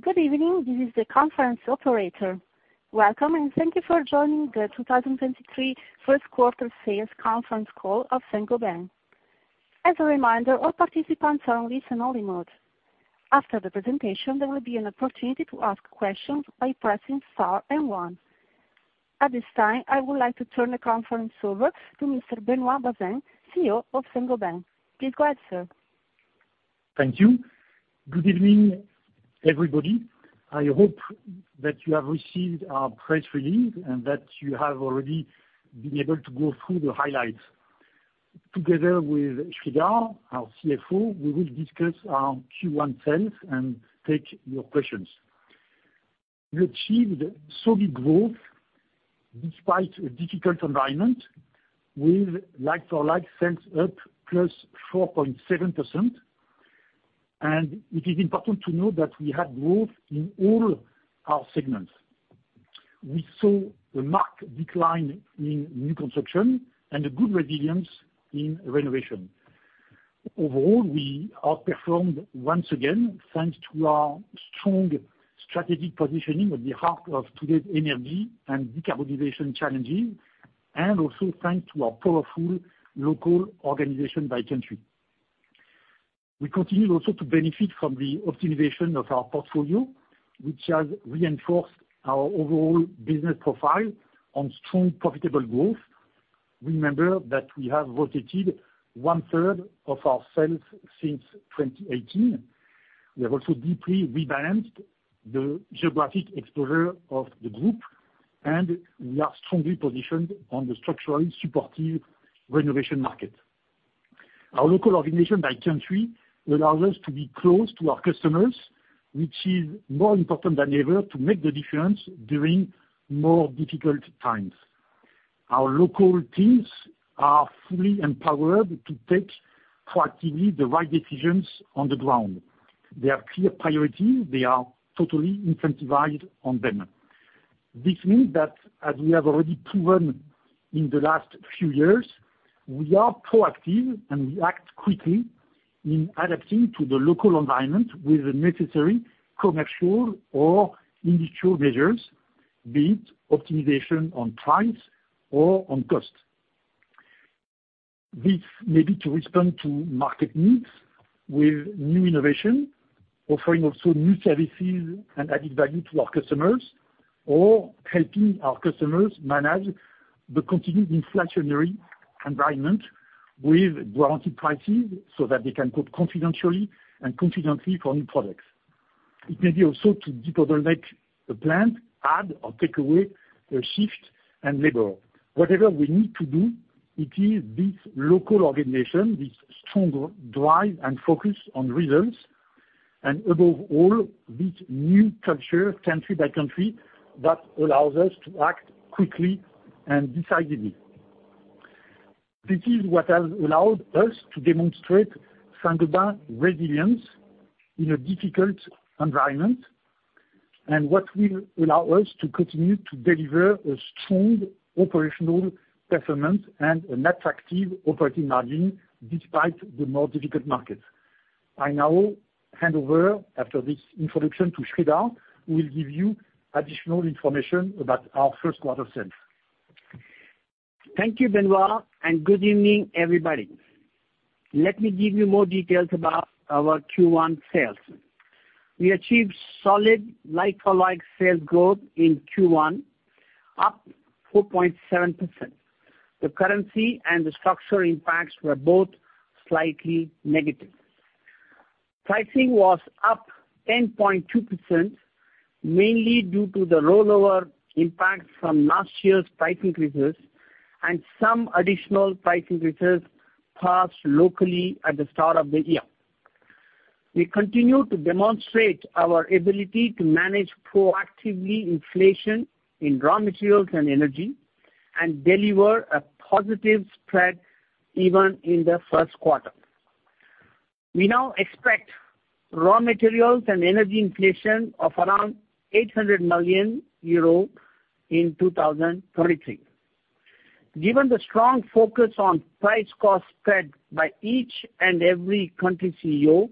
Good evening. This is the conference operator. Welcome, and thank you for joining the 2023 first quarter sales conference call of Saint-Gobain. As a reminder, all participants are on listen-only mode. After the presentation, there will be an opportunity to ask questions by pressing star and 1. At this time, I would like to turn the conference over to Mr. Benoît Bazin, CEO of Saint-Gobain. Please go ahead, sir. Thank you. Good evening, everybody. I hope that you have received our press release and that you have already been able to go through the highlights. Together with Sreedhar, our CFO, we will discuss our Q1 sales and take your questions. We achieved solid growth despite a difficult environment, with like-for-like sales up +4.7%. It is important to note that we had growth in all our segments. We saw a marked decline in new construction and a good resilience in renovation. Overall, we outperformed once again thanks to our strong strategic positioning at the heart of today's energy and decarbonization challenges, and also thanks to our powerful local organization by country. We continue also to benefit from the optimization of our portfolio, which has reinforced our overall business profile on strong profitable growth. Remember that we have rotated one-third of our sales since 2018. We have also deeply rebalanced the geographic exposure of the group, and we are strongly positioned on the structurally supportive renovation market. Our local organization by country allows us to be close to our customers, which is more important than ever to make the difference during more difficult times. Our local teams are fully empowered to take proactively the right decisions on the ground. They are clear priority. They are totally incentivized on them. This means that as we have already proven in the last few years, we are proactive, and we act quickly in adapting to the local environment with the necessary commercial or industrial measures, be it optimization on price or on cost. This may be to respond to market needs with new innovation, offering also new services and added value to our customers, or helping our customers manage the continued inflationary environment with guaranteed pricing so that they can quote confidentially and confidently for new products. It may be also to deprioritize the plant, add or take away a shift and labor. Whatever we need to do, it is this local organization, this strong drive and focus on results, and above all, this new culture country by country that allows us to act quickly and decidedly. This is what has allowed us to demonstrate Saint-Gobain resilience in a difficult environment and what will allow us to continue to deliver a strong operational performance and an attractive operating margin despite the more difficult markets. I now hand over after this introduction to Sreedhar, who will give you additional information about our first quarter sales. Thank you, Benoît. Good evening, everybody. Let me give you more details about our Q1 sales. We achieved solid like-for-like sales growth in Q1, up 4.7%. The currency and the structural impacts were both slightly negative. Pricing was up 10.2%, mainly due to the rollover impact from last year's price increases and some additional price increases passed locally at the start of the year. We continue to demonstrate our ability to manage proactively inflation in raw materials and energy and deliver a positive spread even in the first quarter. We now expect raw materials and energy inflation of around 800 million euro in 2033. Given the strong focus on price-cost spread by each and every country CEO,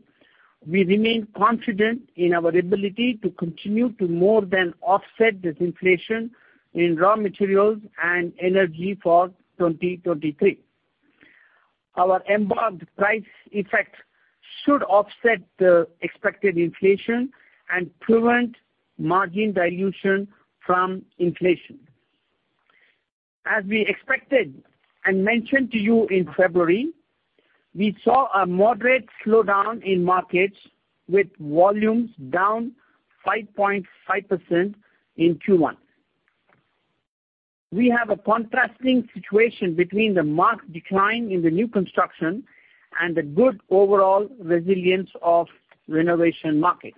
we remain confident in our ability to continue to more than offset this inflation in raw materials and energy for 2023. Our embarked price effect should offset the expected inflation and prevent margin dilution from inflation. As we expected and mentioned to you in February, we saw a moderate slowdown in markets with volumes down 5.5% in Q1. We have a contrasting situation between the marked decline in the new construction and the good overall resilience of renovation market.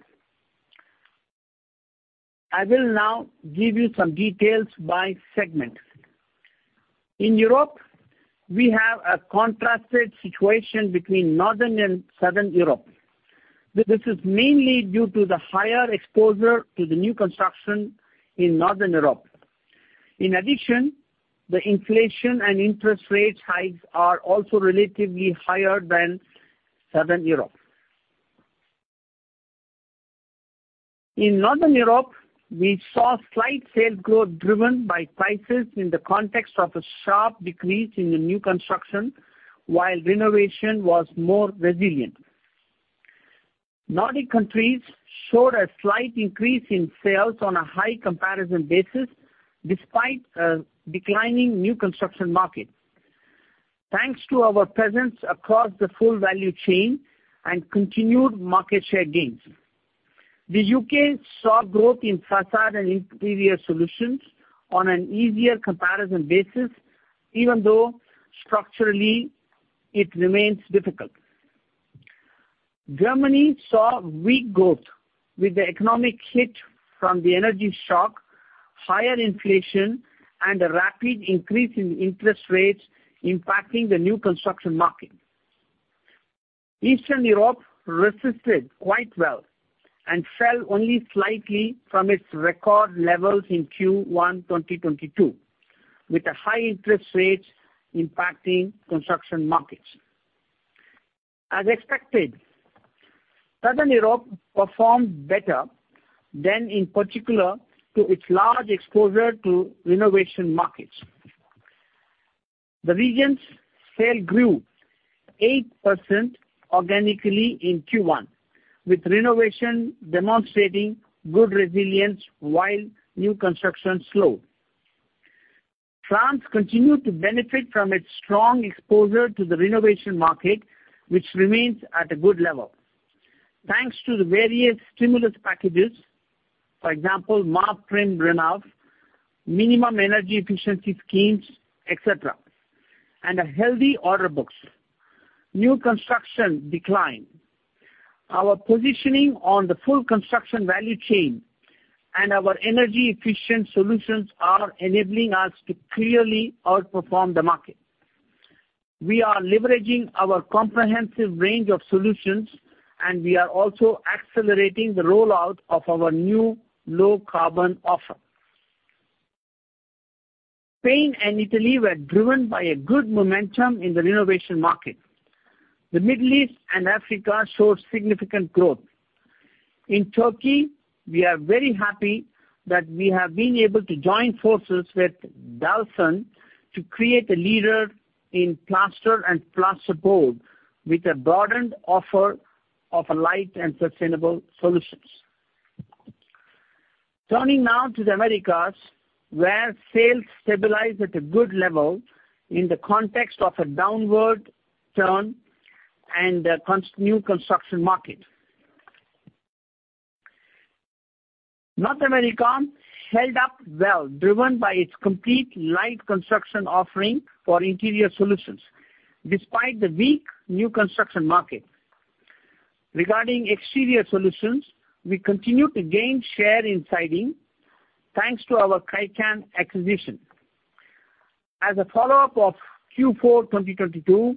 I will now give you some details by segment. In Europe, we have a contrasted situation between Northern and Southern Europe. This is mainly due to the higher exposure to the new construction in Northern Europe. In addition, the inflation and interest rate hikes are also relatively higher than Southern Europe. In Northern Europe, we saw slight sales growth driven by prices in the context of a sharp decrease in the new construction, while renovation was more resilient. Nordic countries showed a slight increase in sales on a high comparison basis despite a declining new construction market. Thanks to our presence across the full value chain and continued market share gains. The U.K. saw growth in facade and interior solutions on an easier comparison basis, even though structurally it remains difficult. Germany saw weak growth with the economic hit from the energy shock, higher inflation, and a rapid increase in interest rates impacting the new construction market. Eastern Europe resisted quite well and fell only slightly from its record levels in Q1 2022, with the high interest rates impacting construction markets. As expected, Southern Europe performed better than in particular to its large exposure to renovation markets. The region's sale grew 8% organically in Q1, with renovation demonstrating good resilience while new construction slowed. France continued to benefit from its strong exposure to the renovation market, which remains at a good level. Thanks to the various stimulus packages, for example, MaPrimeRénov', minimum energy efficiency schemes, et cetera, and a healthy order books. New construction declined. Our positioning on the full construction value chain and our energy-efficient solutions are enabling us to clearly outperform the market. We are leveraging our comprehensive range of solutions, and we are also accelerating the rollout of our new low carbon offer. Spain and Italy were driven by a good momentum in the renovation market. The Middle East and Africa showed significant growth. In Turkey, we are very happy that we have been able to join forces with Dalsan to create a leader in plaster and plasterboard support with a broadened offer of light and sustainable solutions. Turning now to the Americas, where sales stabilized at a good level in the context of a downward turn and new construction market. North America held up well, driven by its complete light construction offering for interior solutions despite the weak new construction market. Regarding exterior solutions, we continue to gain share in siding thanks to our Kaycan acquisition. As a follow-up of Q4 2022,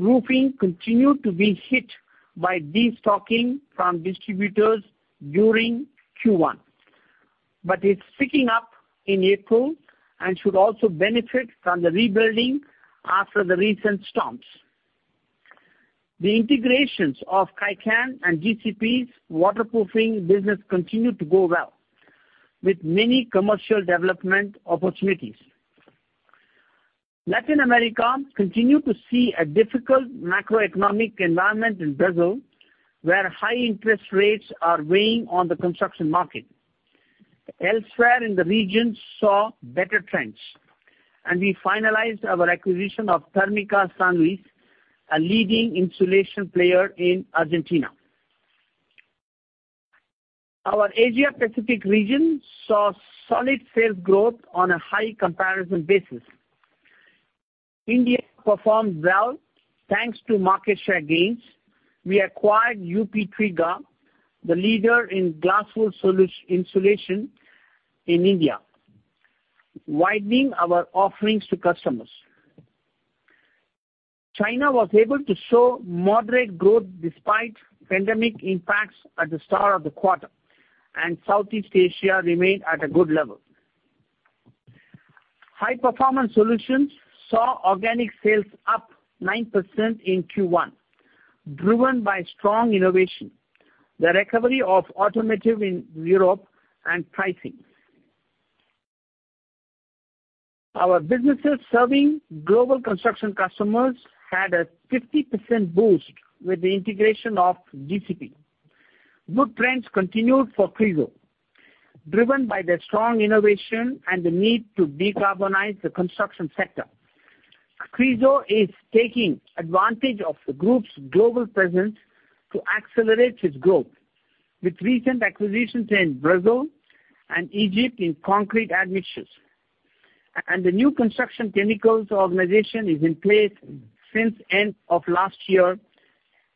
roofing continued to be hit by destocking from distributors during Q1, but it's picking up in April and should also benefit from the rebuilding after the recent storms. The integrations of Kaycan and GCP's waterproofing business continue to go well, with many commercial development opportunities. Latin America continued to see a difficult macroeconomic environment in Brazil, where high interest rates are weighing on the construction market. Elsewhere in the region saw better trends. We finalized our acquisition of Térmicas San Luis, a leading insulation player in Argentina. Our Asia Pacific region saw solid sales growth on a high comparison basis. India performed well thanks to market share gains. We acquired UP Twiga, the leader in glass wool insulation in India, widening our offerings to customers. China was able to show moderate growth despite pandemic impacts at the start of the quarter, and Southeast Asia remained at a good level. High-performance solutions saw organic sales up 9% in Q1, driven by strong innovation, the recovery of automotive in Europe, and pricing. Our businesses serving global construction customers had a 50% boost with the integration of GCP. Good trends continued for Chryso, driven by their strong innovation and the need to decarbonize the construction sector. Chryso is taking advantage of the group's global presence to accelerate its growth with recent acquisitions in Brazil and Egypt in concrete admixtures. The new construction chemicals organization is in place since end of last year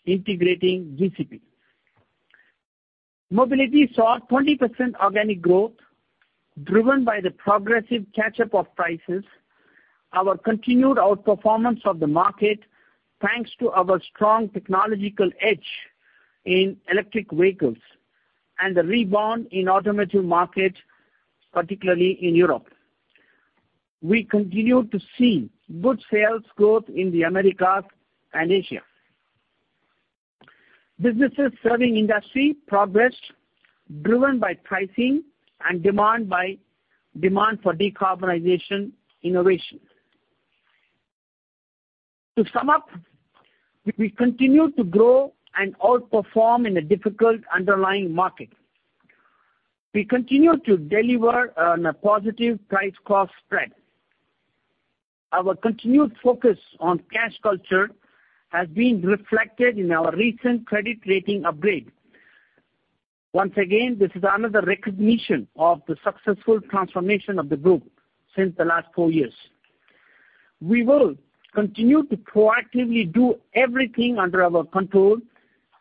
integrating GCP. Mobility saw 20% organic growth driven by the progressive catch-up of prices. Our continued outperformance of the market thanks to our strong technological edge in electric vehicles and the rebound in automotive market, particularly in Europe. We continue to see good sales growth in the Americas and Asia. Businesses serving industry progressed, driven by pricing and demand for decarbonization innovation. To sum up, we continue to grow and outperform in a difficult underlying market. We continue to deliver on a positive price cost spread. Our continued focus on cash culture has been reflected in our recent credit rating upgrade. Once again, this is another recognition of the successful transformation of the group since the last four years. We will continue to proactively do everything under our control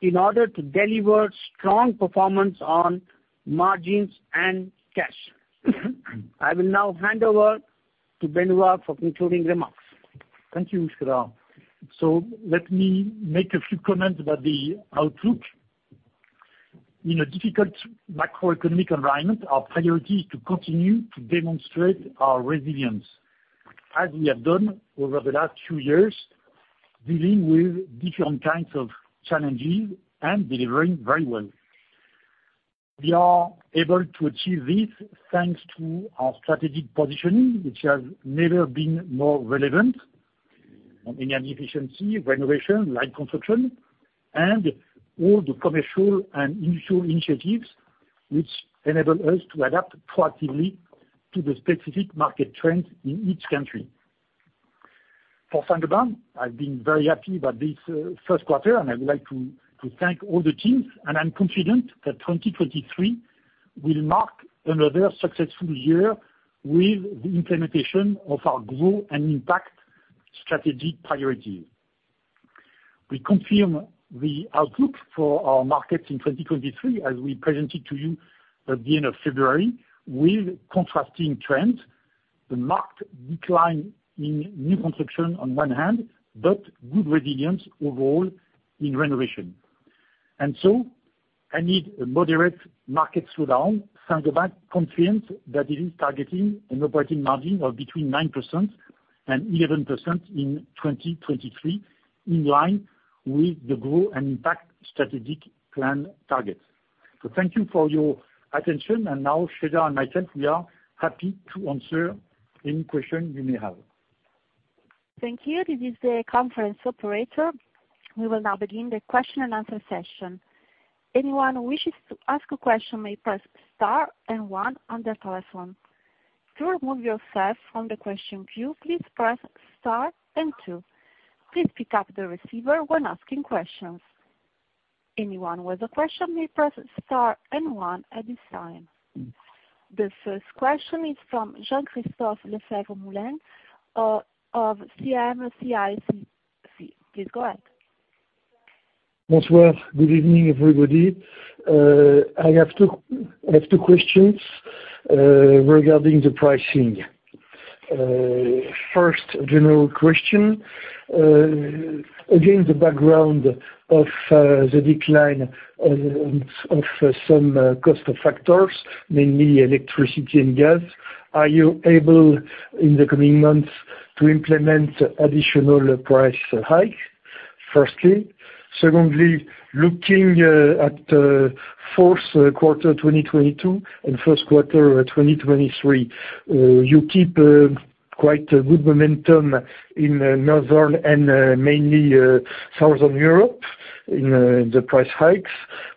in order to deliver strong performance on margins and cash. I will now hand over to Benoît for concluding remarks. Thank you, Sreedhar. Let me make a few comments about the outlook. In a difficult macroeconomic environment, our priority is to continue to demonstrate our resilience, as we have done over the last two years, dealing with different kinds of challenges and delivering very well. We are able to achieve this thanks to our strategic positioning, which has never been more relevant on energy efficiency, renovation, light construction, and all the commercial and initial initiatives which enable us to adapt proactively to the specific market trends in each country. For Saint-Gobain, I've been very happy about this first quarter, and I would like to thank all the teams, and I'm confident that 2023 will mark another successful year with the implementation of our Grow & Impact strategic priority. We confirm the outlook for our markets in 2023, as we presented to you at the end of February, with contrasting trends, the marked decline in new construction on one hand, but good resilience overall in renovation. Amid a moderate market slowdown, Saint-Gobain confirms that it is targeting an operating margin of between 9% and 11% in 2023, in line with the Grow & Impact strategic plan targets. Thank you for your attention. Now Sreedhar and myself, we are happy to answer any question you may have. Thank you. This is the conference operator. We will now begin the question-and-answer session. Anyone who wishes to ask a question may press star and one on their telephone. To remove yourself from the question queue, please press star and two. Please pick up the receiver when asking questions. Anyone with a question may press star and one at this time. The first question is from Jean-Christophe Lefèvre-Moulenq of CM-CIC. Please go ahead. Good evening, everybody. I have two questions regarding the pricing. First general question, against the background of the decline of some cost factors, mainly electricity and gas, are you able, in the coming months, to implement additional price hike? Firstly. Secondly, looking at Q4 2022 and Q1 2023, you keep quite a good momentum in Northern and mainly Southern Europe in the price hikes,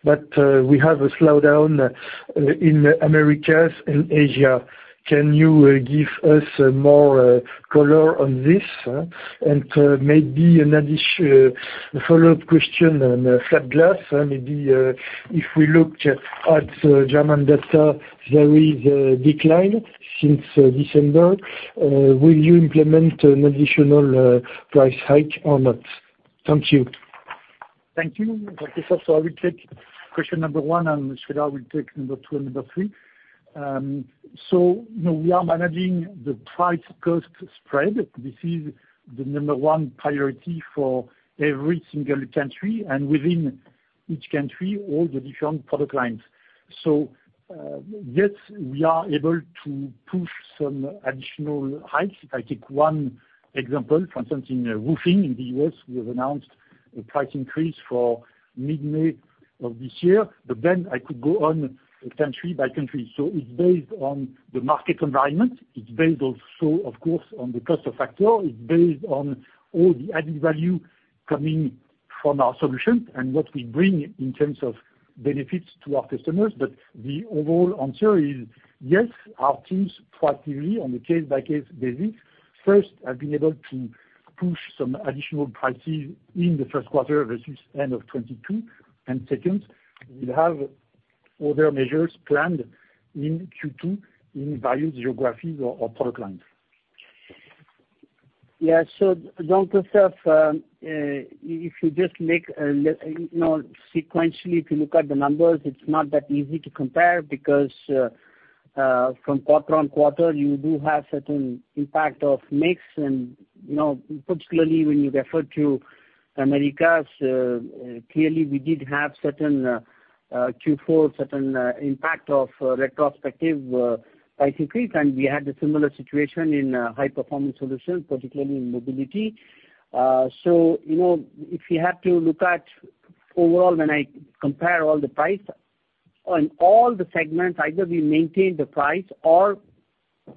but we have a slowdown in Americas and Asia. Can you give us more color on this? Maybe a follow-up question on flat glass. Maybe if we look at German data, there is a decline since December. Will you implement an additional price hike or not? Thank you. Thank you, Jean-Christophe. I will take question number one, and Sreedhar will take number two and number three. You know, we are managing the price cost spread. This is the number one priority for every single country and within each country, all the different product lines. Yes, we are able to push some additional hikes. If I take one example, for instance, in roofing in the US, we have announced a price increase for mid-May of this year, but then I could go on country by country. It's based on the market environment. It's based also, of course, on the cost of factor. It's based on all the added value coming from our solution and what we bring in terms of benefits to our customers. The overall answer is yes, our teams proactively on a case-by-case basis, first, have been able to push some additional pricing in the first quarter versus end of 2022, and second, we have other measures planned in Q2 in various geographies or product lines. Yeah. Jean-Christophe, if you just make a, you know, sequentially, if you look at the numbers, it's not that easy to compare because from quarter on quarter, you do have certain impact of mix and, you know, particularly when you refer to Americas, clearly we did have certain Q4, certain impact of retrospective price increase, and we had a similar situation in high performance solutions, particularly in mobility. So you know, if you have to look at overall when I compare all the price on all the segments, either we maintain the price or,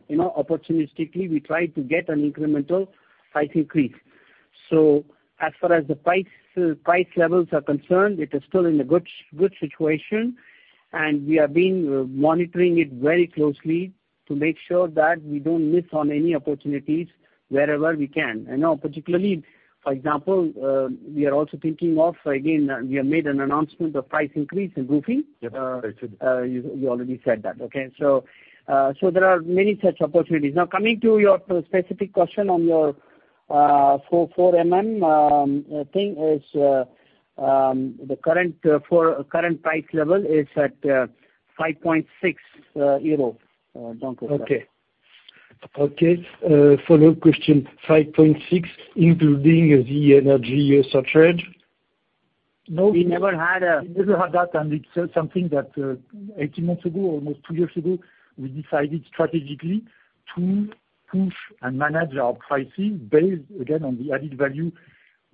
you know, opportunistically, we try to get an incremental price increase. As far as the price levels are concerned, it is still in a good situation, and we have been monitoring it very closely to make sure that we don't miss on any opportunities wherever we can. I know particularly for example, we are also thinking of, again, we have made an announcement of price increase in roofing. Yes. You already said that. Okay. There are many such opportunities. Now, coming to your specific question on your 4MM thing is, the current price level is at 5.6 euro, Jean-Christophe. Okay. Okay. Follow-up question, 5.6 including the energy surcharge? No, we never had. We never had that, and it's something that 18 months ago, almost two years ago, we decided strategically to push and manage our pricing based again on the added value,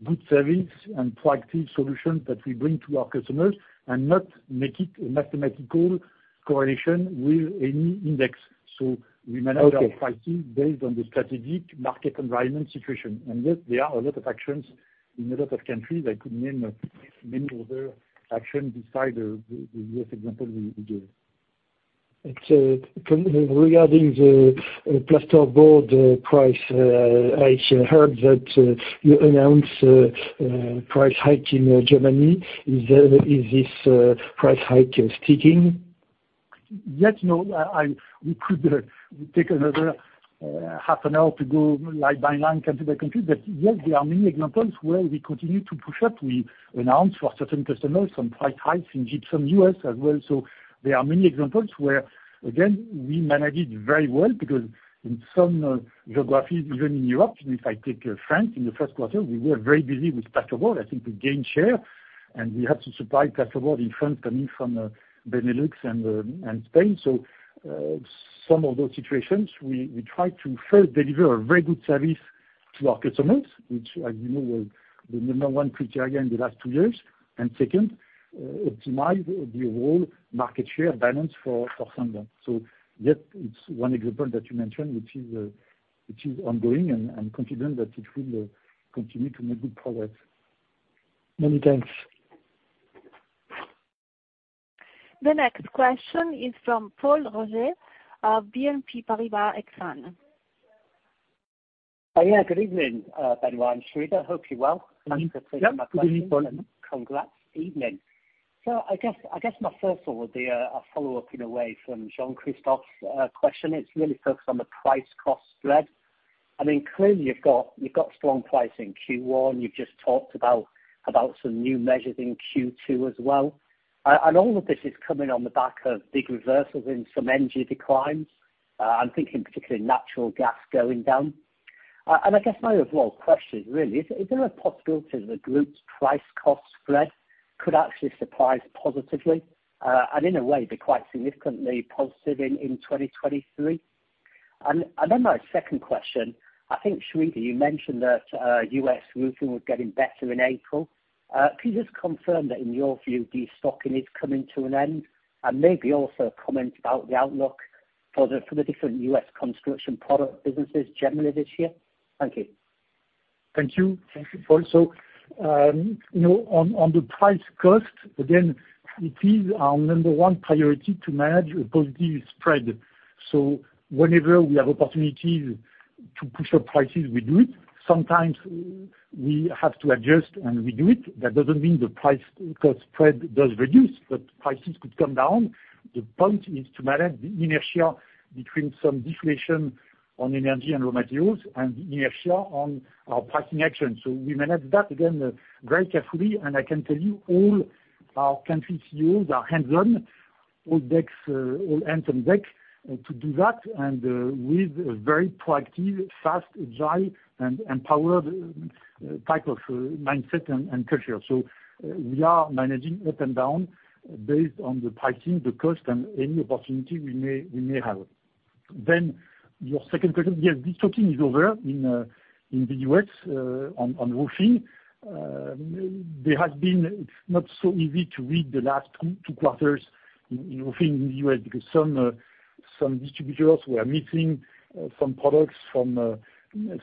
good service, and proactive solution that we bring to our customers and not make it a mathematical correlation with any index. Okay. -our pricing based on the strategic market environment situation. Yes, there are a lot of actions in a lot of countries. I could name many other action beside the U.S. example we gave. It's regarding the plasterboard price, I heard that you announced a price hike in Germany. Is this price hike sticking? Yes, no, we could take another half an hour to go, like, line by line, country by country. Yes, there are many examples where we continue to push up. We announced for certain customers some price hikes in gypsum U.S. as well. There are many examples where, again, we managed it very well because in some geographies, even in Europe, if I take France in the first quarter, we were very busy with plasterboard. I think we gained share, and we had to supply plasterboard in France coming from Benelux and Spain. Some of those situations, we try to first deliver a very good service to our customers, which, as you know, was the number one criteria in the last two years. Second, optimize the overall market share balance for Saint-Gobain. Yes, it's one example that you mentioned, which is, which is ongoing and confident that it will, continue to make good progress. Many thanks. The next question is from Paul Roger of Exane BNP Paribas. Yeah, good evening, Benoît and Sreedhar. Hope you're well. Yeah. Good evening, Paul. Thank you for taking my question and congrats. Evening. I guess my first one would be a follow-up in a way from Jean-Christophe's question. It's really focused on the price cost spread. I mean, clearly you've got strong pricing in Q1. You've just talked about some new measures in Q2 as well. All of this is coming on the back of big reversals in some energy declines. I'm thinking particularly natural gas going down. I guess my overall question is really is there a possibility the group's price cost spread could actually surprise positively, and in a way be quite significantly positive in 2023? Then my second question, I think, Sreedhar, you mentioned that US roofing was getting better in April. Could you just confirm that in your view, destocking is coming to an end? Maybe also comment about the outlook for the different U.S. construction product businesses generally this year. Thank you. Thank you. Thank you, Paul. You know, on the price cost, again, it is our number one priority to manage a positive spread. Whenever we have opportunity to push up prices, we do it. Sometimes we have to adjust, and we do it. That doesn't mean the price cost spread does reduce, but prices could come down. The point is to manage the inertia between some deflation on energy and raw materials and the inertia on our pricing action. We manage that, again, very carefully, and I can tell you all our country CEOs are hands-on, all hands on deck, to do that and, with a very proactive, fast, agile, and empowered type of mindset and culture. We are managing up and down based on the pricing, the cost, and any opportunity we may have. Your second question, yes, destocking is over in the U.S. on roofing. It's not so easy to read the last two quarters in roofing in the U.S. because some distributors were missing some products from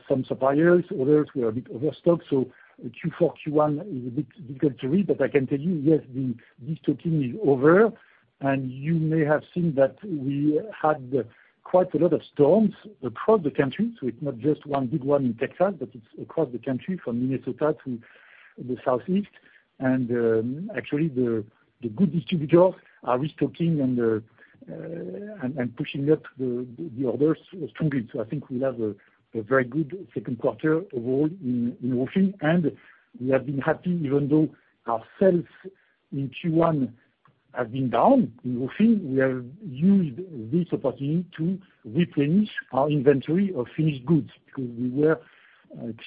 some suppliers. Others were a bit overstocked. Q4, Q1 is a bit difficult to read. I can tell you, yes, the destocking is over, and you may have seen that we had quite a lot of storms across the country, so it's not just one big one in Texas, but it's across the country from Minnesota to the Southeast. Actually the good distributors are restocking and pushing up the orders strongly. I think we'll have a very good second quarter overall in roofing. We have been happy, even though our sales in Q1 have been down in roofing, we have used this opportunity to replenish our inventory of finished goods. Because we were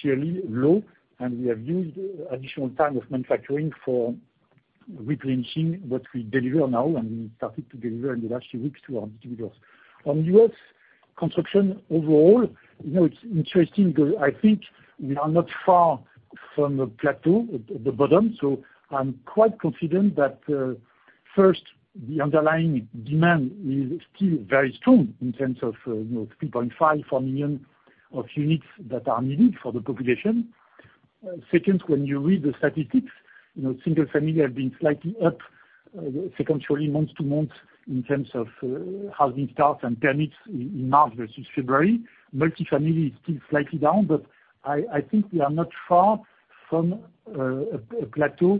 clearly low, and we have used additional time of manufacturing for replenishing what we deliver now and started to deliver in the last few weeks to our distributors. On US construction overall, you know, it's interesting because I think we are not far from the plateau at the bottom. I'm quite confident that, first, the underlying demand is still very strong in terms of, you know, 3.5, four million units that are needed for the population. Second, when you read the statistics, you know, single family have been slightly up, sequentially month-to-month in terms of housing starts and permits in March versus February. Multifamily is still slightly down, but I think we are not far from a plateau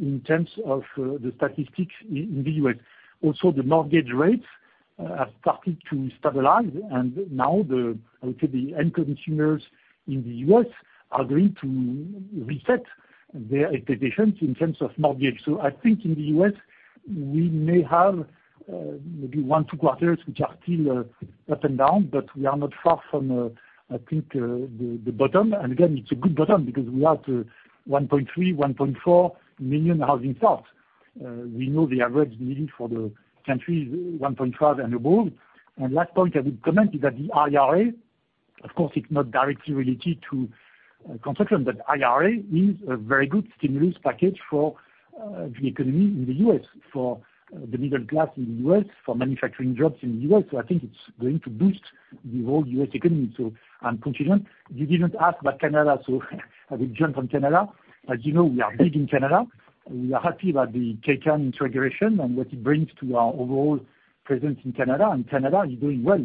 in terms of the statistics in the U.S. Also, the mortgage rates have started to stabilize. Now the, I would say, the end consumers in the U.S. are going to reset their expectations in terms of mortgage. I think in the U.S. we may have maybe one, two quarters which are still up and down, but we are not far from, I think, the bottom. Again, it's a good bottom because we are at 1.3, 1.4 million housing stocks. We needed for the country is 1.5 and above. The IRA, of course, is not directly related to construction, but IRA is a very good stimulus package for the economy in the U.S., for the middle class in the U.S., for manufacturing jobs in the U.S. I think it's going to boost the whole U.S. economy, so I'm confident. You didn't ask about Canada, so I will jump on Canada. As you know, we are big in Canada. We are happy about the Kaycan integration and what it brings to our overall presence in Canada. Canada is doing well.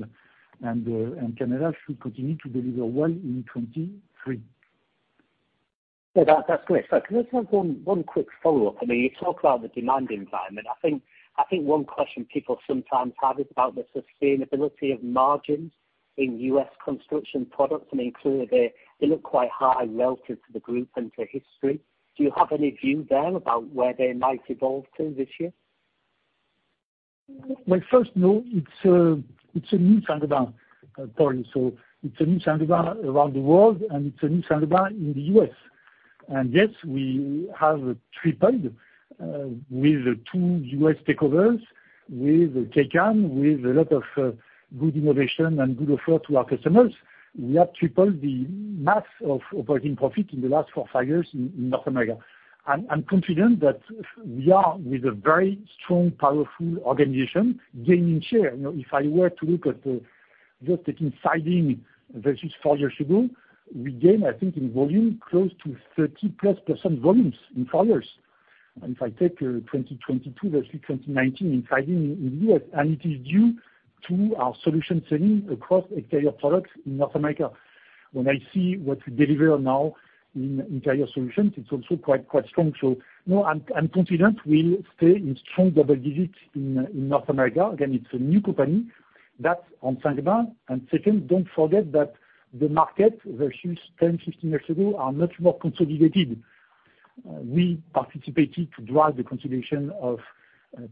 Canada should continue to deliver well in 2023 That's great. Can I just have one quick follow-up? I mean, you talk about the demand environment. I think one question people sometimes have is about the sustainability of margins in US construction products. I mean, clearly they look quite high relative to the group and to history. Do you have any view there about where they might evolve to this year? First, no, it's a new Saint-Gobain, Paul. It's a new Saint-Gobain around the world, and it's a new Saint-Gobain in the U.S. Yes, we have tripled with two U.S. takeovers, with Kaycan, with a lot of good innovation and good offer to our customers. We have tripled the math of operating profit in the last four, five years in North America. I'm confident that we are, with a very strong, powerful organization, gaining share. You know, if I were to look at just taking siding versus four years ago, we gained, I think, in volume, close to 30+% volumes in four years. If I take 2022 versus 2019 in siding in U.S., it is due to our solution selling across exterior products in North America. When I see what we deliver now in interior solutions, it's also quite strong. No, I'm confident we'll stay in strong double digits in North America. Again, it's a new company. That's on Saint-Gobain. Second, don't forget that the market versus 10, 15 years ago are much more consolidated. We participated to drive the consolidation of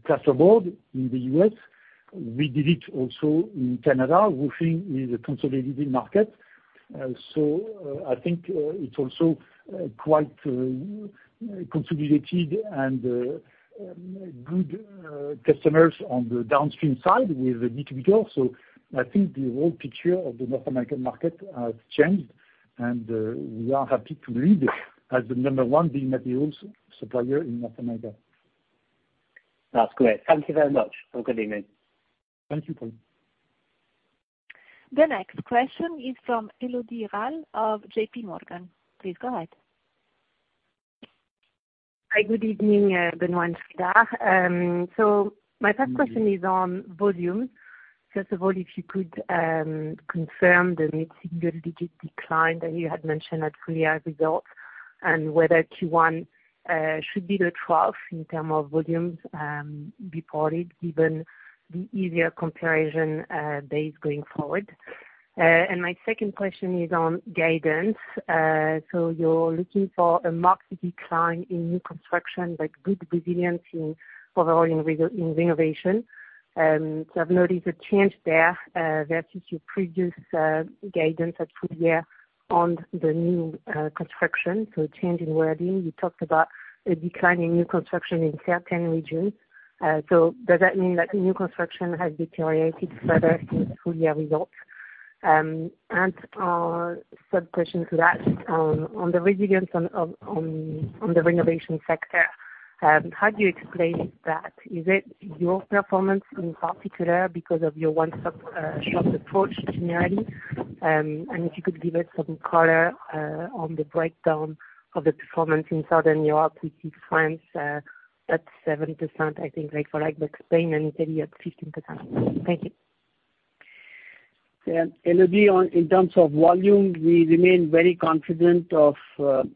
plasterboard in the U.S. We did it also in Canada. Roofing is a consolidated market. I think it's also quite consolidated and good customers on the downstream side with the distributors. I think the whole picture of the North American market has changed, and we are happy to lead as the number one building materials supplier in North America. That's great. Thank you very much. Have a good evening. Thank you, Paul. The next question is from Elodie Rall of JP Morgan. Please go ahead. Hi. Good evening, Benoît and Sreedhar. My first question is on volume. First of all, if you could confirm the mid-single digit decline that you had mentioned at full year results, and whether Q1 should be the trough in term of volumes, deported, given the easier comparison base going forward. My second question is on guidance. You're looking for a marked decline in new construction, but good resilience in overall in renovation. I've noticed a change there versus your previous guidance at full year on the new construction, so change in wording. You talked about a decline in new construction in certain regions. Does that mean that new construction has deteriorated further since full year results? Third question to that, on the resilience on the renovation sector, how do you explain that? Is it your performance in particular because of your one-stop shop approach generally? If you could give us some color, on the breakdown of the performance in Southern Europe with France, at 7%, I think, right, for like Spain and Italy at 15%. Thank you. Energy on, in terms of volume, we remain very confident of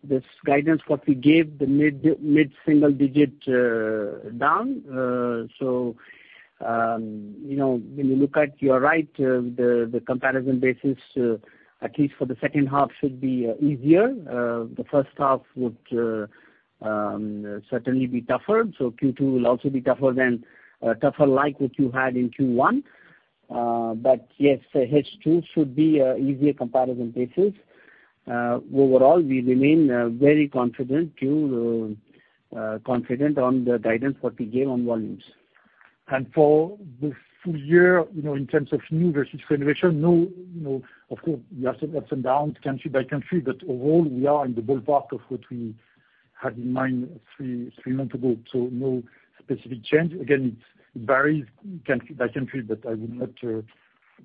this guidance what we gave the mid-single digit down. You know, when you look at your right, the comparison basis, at least for the second half should be easier. The first half would certainly be tougher. Q2 will also be tougher than like what you had in Q1. Yes, H2 should be easier comparison basis. Overall, we remain very confident to confident on the guidance what we gave on volumes. For the full year, you know, in terms of new versus renovation, no, of course, we have some ups and downs country by country, but overall we are in the ballpark of what we had in mind three months ago, so no specific change. Again, it varies country by country, but I would not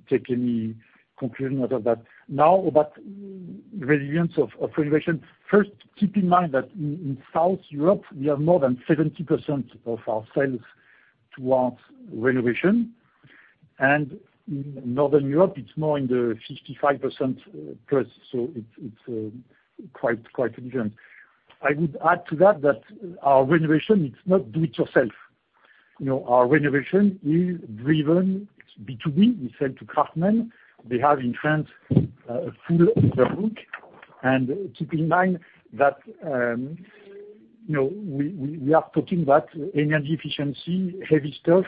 take any conclusion out of that. Now about resilience of renovation. First, keep in mind that in South Europe, we are more than 70% of our sales towards renovation. Northern Europe, it's more in the 55% plus, so it's quite different. I would add to that our renovation, it's not do it yourself. You know, our renovation is driven B2B, we sell to craftsmen. They have in France a full in the hook. Keep in mind that, you know, we are talking about energy efficiency, heavy stuff,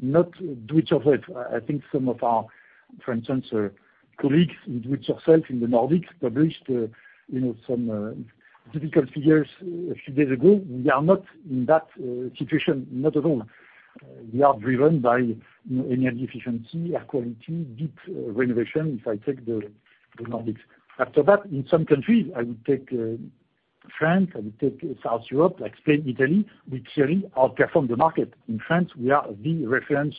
not do it yourself. I think some of our, for instance, colleagues in do it yourself in the Nordics published, you know, some difficult figures a few days ago. We are not in that situation, not at all. We are driven by, you know, energy efficiency, air quality, deep renovation, if I take the Nordics. After that, in some countries, I would take France, I would take South Europe, like Spain, Italy, we clearly outperform the market. In France, we are the reference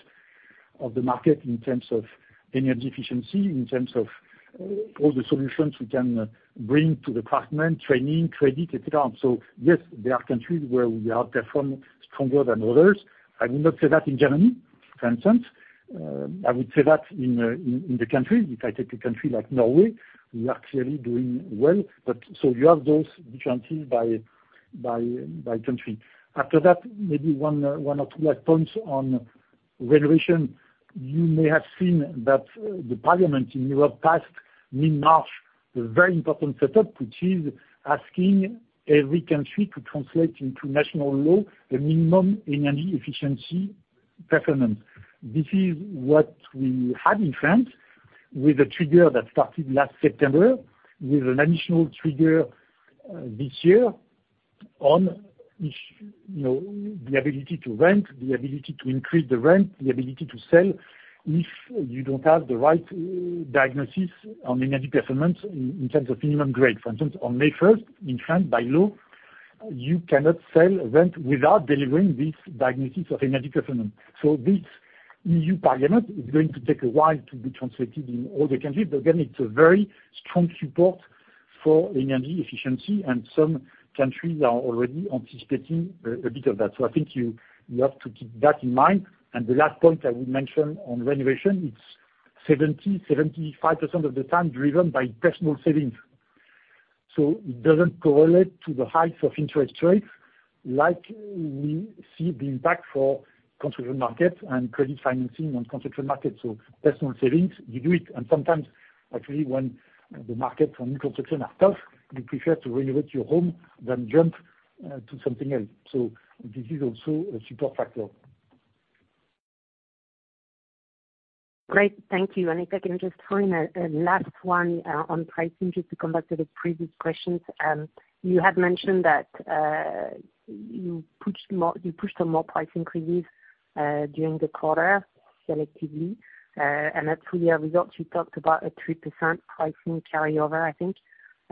of the market in terms of energy efficiency, in terms of all the solutions we can bring to the craftsmen, training, credit, et cetera. Yes, there are countries where we outperform stronger than others. I would not say that in Germany, for instance. I would say that in the country, if I take a country like Norway, we are clearly doing well. So you have those differences by country. After that, maybe one or two last points on renovation. You may have seen that the parliament in Europe passed mid-March a very important setup, which is asking every country to translate into national law the minimum energy efficiency performance. This is what we had in France with a trigger that started last September, with an additional trigger this year on if, you know, the ability to rent, the ability to increase the rent, the ability to sell if you don't have the right diagnosis on energy performance in terms of minimum grade. For instance, on May 1st in France by law, you cannot sell a rent without delivering this diagnosis of energy performance. This EU Parliament is going to take a while to be translated in all the countries, but again, it's a very strong support for energy efficiency and some countries are already anticipating a bit of that. I think you have to keep that in mind. The last point I would mention on renovation, it's 70%-75% of the time driven by personal savings. It doesn't correlate to the heights of interest rates like we see the impact for construction markets and credit financing on construction markets. Personal savings, you do it. Sometimes actually when the markets and new construction are tough, you prefer to renovate your home than jump to something else. This is also a super factor. Great. Thank you. If I can just throw in a last one on pricing, just to come back to the previous questions. You had mentioned that you pushed more, you pushed on more price increases during the quarter selectively. At full year results, you talked about a 3% pricing carryover, I think.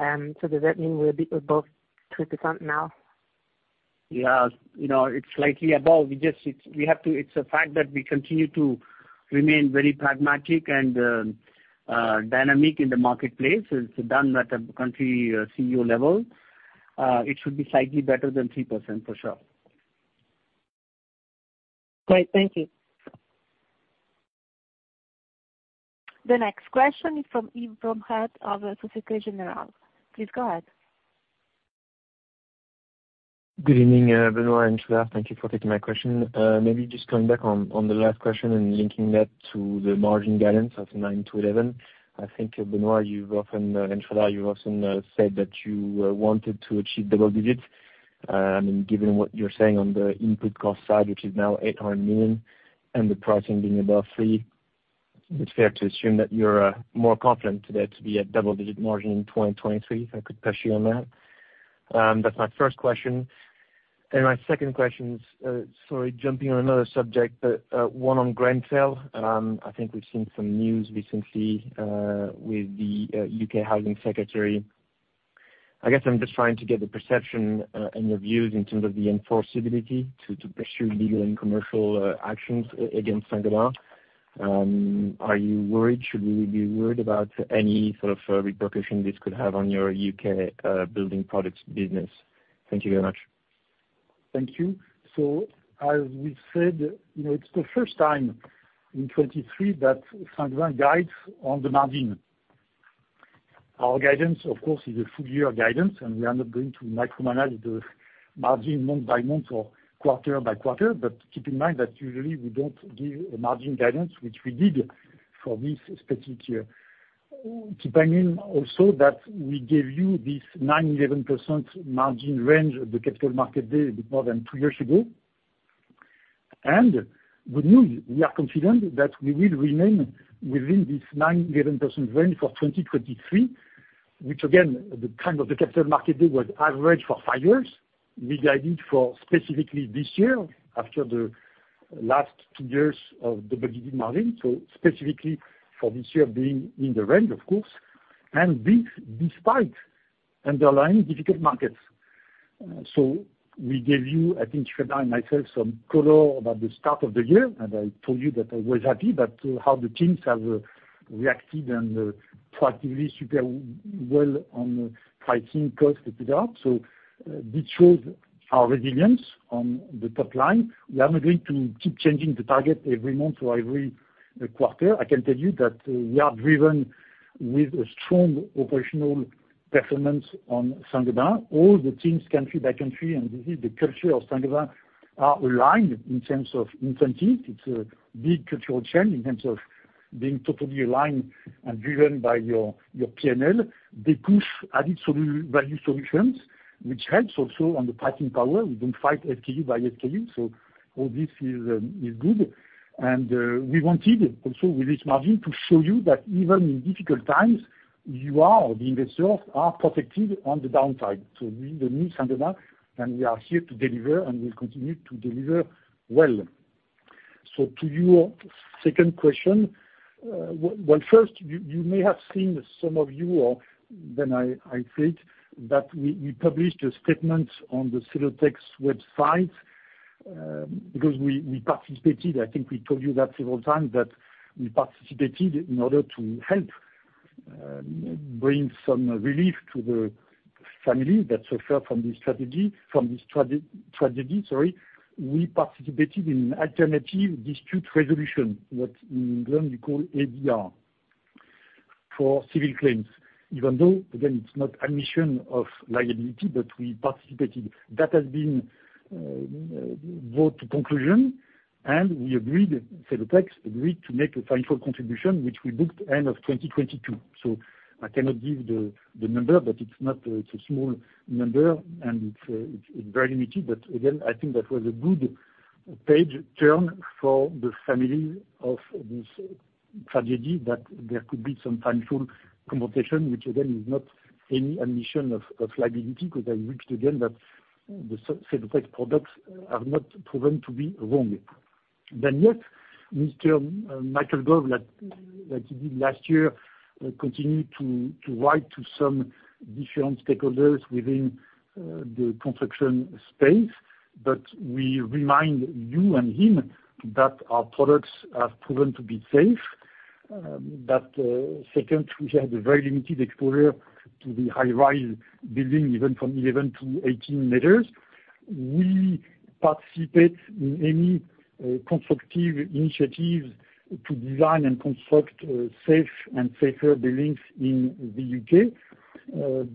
Does that mean we're a bit above 3% now? Yeah. You know, it's slightly above. We have to, it's a fact that we continue to remain very pragmatic and dynamic in the marketplace. It's done at a country CEO level. It should be slightly better than 3% for sure. Great. Thank you. The next question is from Yves Bromehead of Societe Generale. Please go ahead. Good evening, Benoît and Sreedhar. Thank you for taking my question. Maybe just coming back on the last question and linking that to the margin guidance of 9%-11%. I think, Benoît, you've often and Sreedhar, you've often said that you wanted to achieve double digits. I mean, given what you're saying on the input cost side, which is now 800 million, and the pricing being above 3%, it's fair to assume that you're more confident today to be at double-digit margin in 2023, if I could push you on that. That's my first question. My second question is, sorry, jumping on another subject, one on Grenfell. I think we've seen some news recently with the UK Housing Secretary. I guess I'm just trying to get the perception, and your views in terms of the enforceability to pursue legal and commercial actions against Saint-Gobain. Are you worried? Should we be worried about any sort of repercussion this could have on your UK building products business? Thank you very much. Thank you. As we said, you know, it's the first time in 23 that Saint-Gobain guides on the margin. Our guidance, of course, is a full-year guidance, and we are not going to micromanage the margin month by month or quarter by quarter. Keep in mind that usually we don't give a margin guidance, which we did for this specific year. Keeping in also that we gave you this 9%-11% margin range at the capital market day a bit more than two years ago. We knew we are confident that we will remain within this 9%-11% range for 2023, which again, the time of the capital market day was average for five years. We guided for specifically this year after the last two years of double-digit margin, so specifically for this year being in the range of course, and this despite underlying difficult markets. So we gave you, I think Sreedhar and myself, some color about the start of the year, and I told you that I was happy that how the teams have reacted and proactively super well on pricing calls, et cetera. This shows our resilience on the top line. We are not going to keep changing the target every month or every quarter. I can tell you that we are driven with a strong operational performance on Saint-Gobain. All the teams country by country, this is the culture of Saint-Gobain, are aligned in terms of incentive. It's a big cultural change in terms of being totally aligned and driven by your P&L. They push added value solutions, which helps also on the pricing power. We don't fight SKU by SKU, all this is good. We wanted also with this margin to show you that even in difficult times, you are, the investors are protected on the downside. We, the new Saint-Gobain, we are here to deliver, and we'll continue to deliver well. To your second question, well first, you may have seen some of you, or then I think that we published a statement on the Celotex website, because we participated. I think we told you that several times, that we participated in order to help bring some relief to the families that suffer from this tragedy, sorry. We participated in alternative dispute resolution, what in England you call ADR, for civil claims. Even though, again, it's not admission of liability, but we participated. That has been brought to conclusion, and we agreed, Celotex agreed to make a financial contribution which we booked end of 2022. I cannot give the number, but it's not, it's a small number and it's very limited. Again, I think that was a good page turn for the families of this tragedy, that there could be some financial compensation which again is not any admission of liability because I repeat again that the Celotex products are not proven to be wrong. Yet, Mr. Michael Gove, like he did last year, continued to write to some different stakeholders within the construction space. We remind you and him that our products are proven to be safe. Second, we had a very limited exposure to the high-rise building, even from 11 to 18 meters. We participate in any constructive initiatives to design and construct safe and safer buildings in the UK. You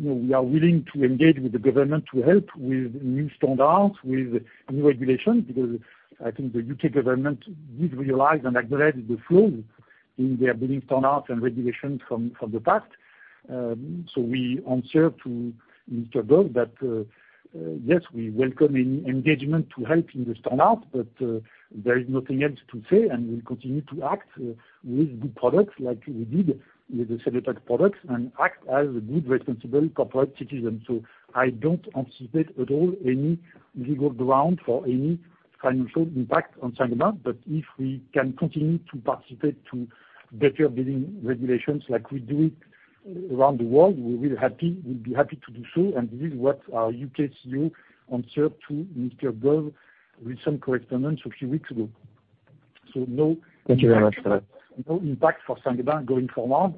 know, we are willing to engage with the Government to help with new standards, with new regulations, because I think the UK Government did realize and acknowledge the flaw in their building standards and regulations from the past. We answer to Mr. Gove that, yes, we welcome any engagement to help in the standard, but there is nothing else to say, and we'll continue to act with good products like we did with the Celotex products and act as a good responsible corporate citizen. I don't anticipate at all any legal ground for any financial impact on Saint-Gobain. If we can continue to participate to better building regulations like we do it around the world, we'll be happy, we'll be happy to do so. This is what our UK CEO answered to Mr. Gove with some correspondence a few weeks ago. Thank you very much for that. No impact for Saint-Gobain going forward.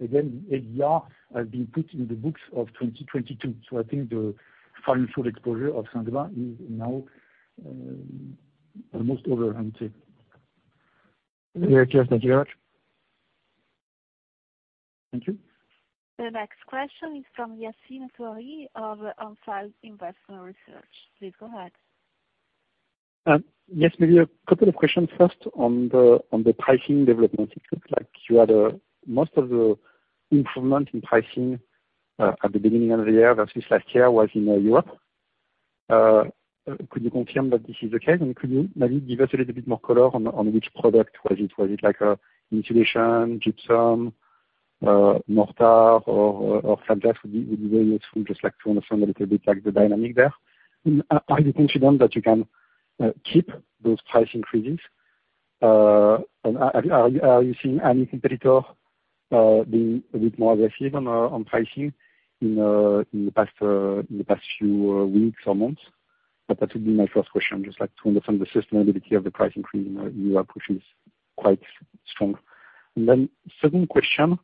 Again, ADR has been put in the books of 2022. I think the financial exposure of Saint-Gobain is now almost over, I would say. Very clear. Thank you very much. Thank you. The next question is from Yassine Touahri of On Field Investment Research. Please go ahead. Yes, maybe a couple of questions first on the pricing development. It looks like you had most of the improvement in pricing at the beginning of the year versus last year was in Europe. Could you confirm that this is the case? Could you maybe give us a little bit more color on which product? Was it like insulation, gypsum, mortar or flat glass would be very useful just like to understand a little bit like the dynamic there. Are you confident that you can keep those price increases? Are you seeing any competitor being a bit more aggressive on pricing in the past few weeks or months? That would be my first question, just like to understand the sustainability of the price increase in Europe, which is quite strong. Second question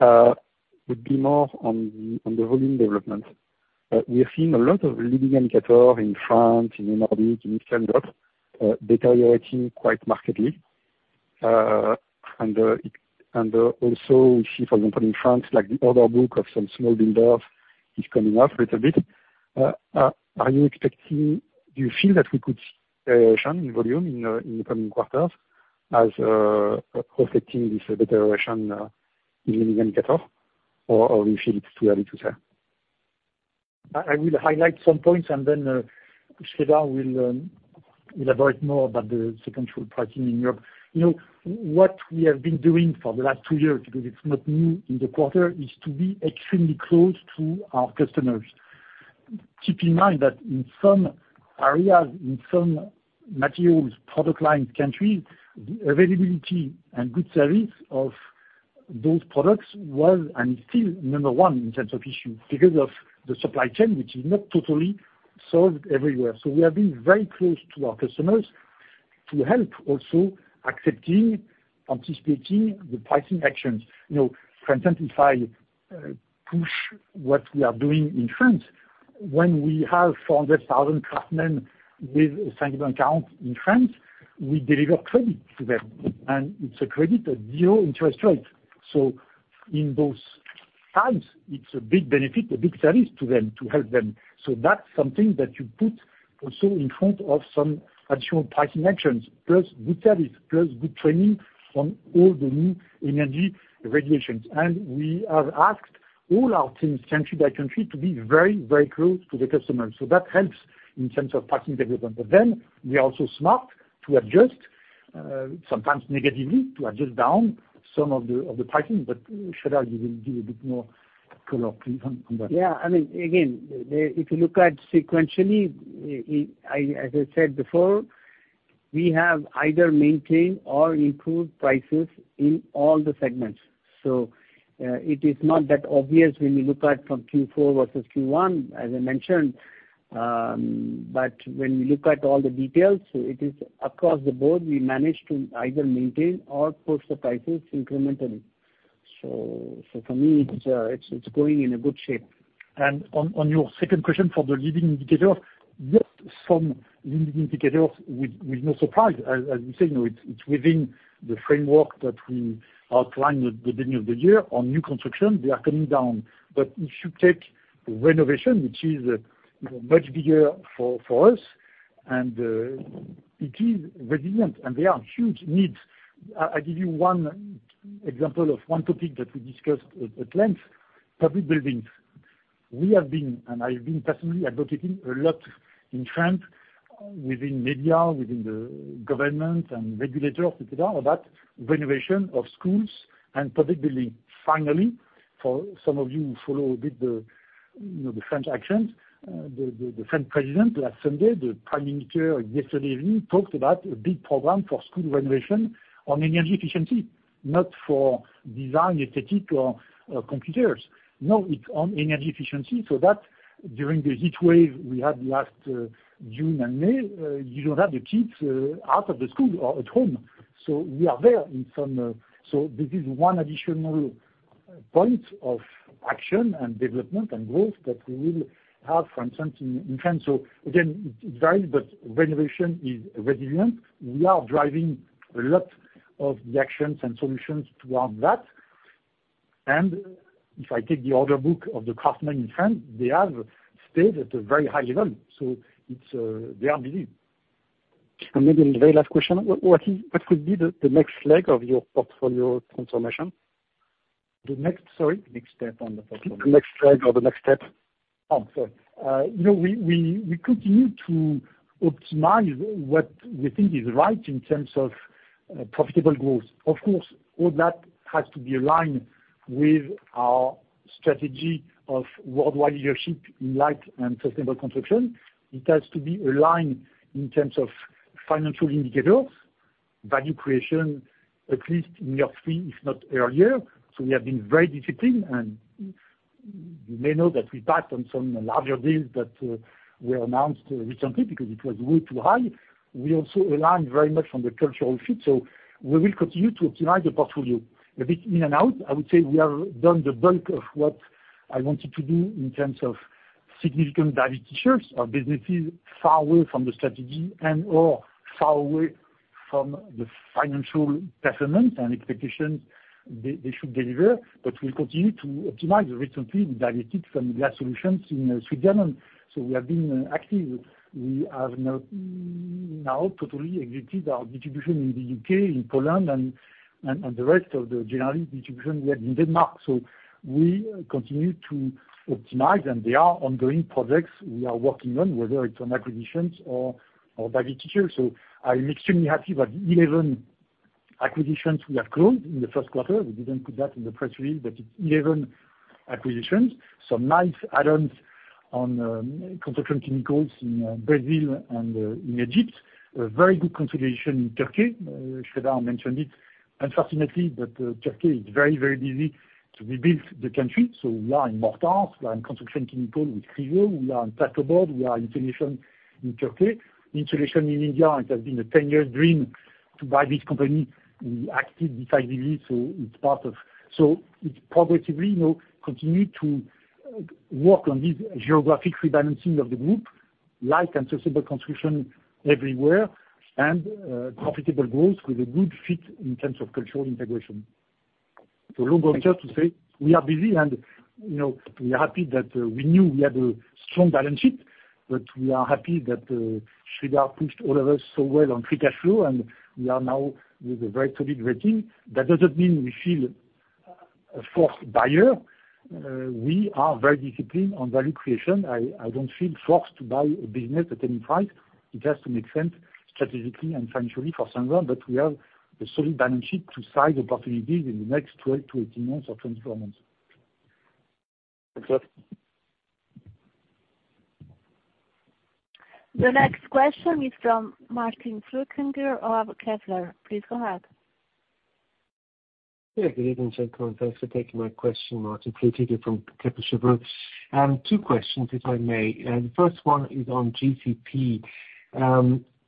would be more on the volume development. We have seen a lot of leading indicator in France, in Nordic, in Benelux, deteriorating quite markedly. Also we see, for example, in France, like the order book of some small builders is coming up a little bit. Do you feel that we could in volume in the coming quarters as reflecting this deterioration in leading indicator, or you feel it's too early to say? I will highlight some points, and then Sreedhar will elaborate more about the second quarter pricing in Europe. You know, what we have been doing for the last two years, because it's not new in the quarter, is to be extremely close to our customers. Keep in mind that in some areas, in some materials, product lines, countries, the availability and good service of those products was, and still number one in terms of issue because of the supply chain, which is not totally solved everywhere. We have been very close to our customers to help also accepting, anticipating the pricing actions. You know, for instance, if I push what we are doing in France, when we have 400,000 craftsmen with Saint-Gobain account in France, we deliver credit to them. It's a credit at zero interest rate. In those times, it's a big benefit, a big service to them to help them. That's something that you put also in front of some additional pricing actions, plus good service, plus good training on all the new energy regulations. We have asked all our teams country by country to be very, very close to the customers. That helps in terms of pricing development. We are also smart to adjust, sometimes negatively, to adjust down some of the pricing. Sreedhar will give a bit more color to you on that. Yeah. I mean, again, if you look at sequentially, as I said before, we have either maintained or improved prices in all the segments. It is not that obvious when you look at from Q4 versus Q1, as I mentioned. When you look at all the details, it is across the board, we managed to either maintain or push the prices incrementally. So for me it's going in a good shape. On your second question for the leading indicator, yes, some leading indicators with no surprise. As we say, you know, it's within the framework that we outlined at the beginning of the year. On new construction, they are coming down. If you take renovation, which is, you know, much bigger for us, and it is resilient, and there are huge needs. I give you one example of one topic that we discussed at length, public buildings. We have been, and I've been personally advocating a lot in France within media, within the government and regulators, et cetera, about renovation of schools and public buildings. Finally, for some of you who follow a bit the, you know, the French actions, the French president last Sunday, the prime minister yesterday evening talked about a big program for school renovation on energy efficiency, not for design, aesthetic or computers. No, it's on energy efficiency so that during the heatwave we had last June and May, you don't have the kids out of the school or at home. We are there in some... This is one additional point of action and development and growth that we will have for instance in France. Again, it varies, but renovation is resilient. We are driving a lot of the actions and solutions toward that. If I take the order book of the craftsmen in France, they have stayed at a very high level. They are busy. maybe the very last question. What could be the next leg of your portfolio transformation? The next, sorry? Next step on the portfolio. Next leg or the next step? Oh, sorry. you know, we continue to optimize what we think is right in terms of profitable growth. Of course, all that has to be aligned with our strategy of worldwide leadership in light and sustainable construction. It has to be aligned in terms of financial indicators, value creation, at least in year three, if not earlier. We have been very disciplined, and you may know that we backed on some larger deals that were announced recently because it was way too high. We also align very much on the cultural fit. We will continue to optimize the portfolio a bit in and out. I would say we have done the bulk of what I wanted to do in terms of significant value detractors or businesses far away from the strategy and/or far away from the financial performance and expectation they should deliver. We'll continue to optimize. Recently, we divested from Glassolutions in Sweden. We have been active. We have now totally exited our distribution in the UK, in Poland and the rest of the generally distribution we had in Denmark. We continue to optimize, and there are ongoing projects we are working on, whether it's on acquisitions or value detractors. I'm extremely happy that 11 acquisitions we have closed in the first quarter. We didn't put that in the press release, but it's 11 acquisitions. Some nice add-ons on construction chemicals in Brazil and in Egypt. A very good consolidation in Turkey, Sreedhar mentioned it. Unfortunately, but Turkey is very, very busy to rebuild the country. We are in Mortars, we are in Construction Chemical with Chryso, we are in Placo Board, we are in Insulation in Turkey. Insulation in India, it has been a 10-year dream to buy this company. We acted decisively, it's part of. It's progressively, you know, continue to work on this geographic rebalancing of the group, light and sustainable construction everywhere, and profitable growth with a good fit in terms of cultural integration. Long answer to say we are busy and, you know, we are happy that we knew we had a strong balance sheet, but we are happy that Sreedhar pushed all of us so well on free cash flow, and we are now with a very solid rating. That doesn't mean we feel a fourth buyer. We are very disciplined on value creation. I don't feel forced to buy a business at any price. It has to make sense strategically and financially for Saint-Gobain. We have a solid balance sheet to size opportunities in the next 12-18 months or 24 months. The next question is from Martin Flueckiger of Kepler. Please go ahead. Yeah. Good evening, gentlemen. Thanks for taking my question. Martin Flueckiger from Kepler Cheuvreux. Two questions if I may. The first one is on GCP.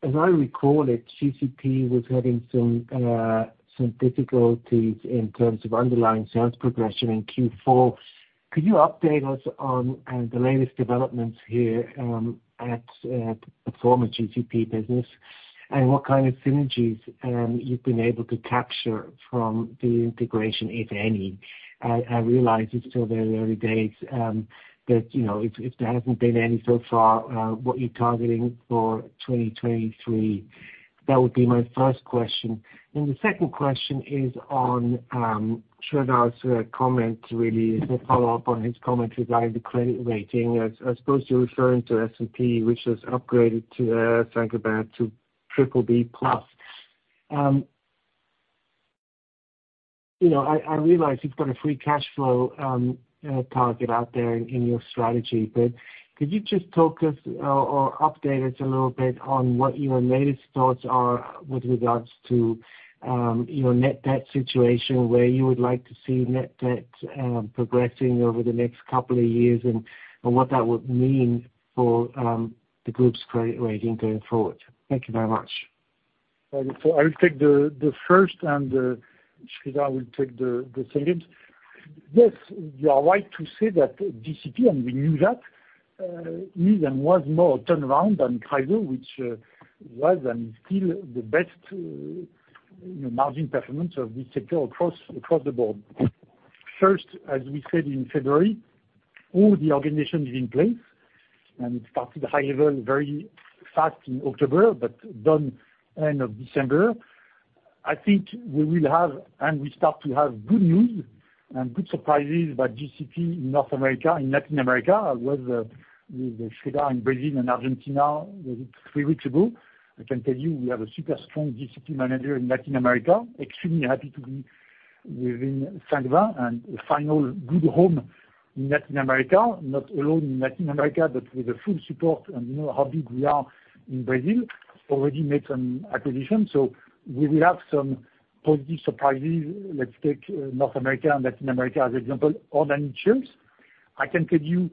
As I recall it, GCP was having some difficulties in terms of underlying sales progression in Q4. Could you update us on the latest developments here at the former GCP business and what kind of synergies you've been able to capture from the integration, if any? I realize it's still very early days, but, you know, if there hasn't been any so far, what you're targeting for 2023. That would be my first question. The second question is on Sreedhar's comment, really as a follow-up on his comment regarding the credit rating. I suppose you're referring to S&P, which has upgraded Saint-Gobain to BBB+. You know, I realize you've got a free cash flow target out there in your strategy, but could you just talk us or update us a little bit on what your latest thoughts are with regards to your net debt situation, where you would like to see net debt progressing over the next couple of years, and what that would mean for the group's credit rating going forward? Thank you very much. I'll take the first and Sreedhar will take the second. Yes, you are right to say that GCP, and we knew that, is and was more turnaround than Chryso, which was and is still the best, you know, margin performance of this sector across across the board. First, as we said in February, all the organization is in place and it started high level very fast in October, but done end of December. I think we will have, and we start to have good news and good surprises by GCP in North America and Latin America. I was with Sreedhar in Brazil and Argentina maybe three weeks ago. I can tell you, we have a super strong GCP manager in Latin America, extremely happy to be within Saint-Gobain and final good home in Latin America, not alone in Latin America, but with the full support. You know how big we are in Brazil, already made some acquisition. We will have some positive surprises. Let's take North America and Latin America as example, Organic Shingles. I can tell you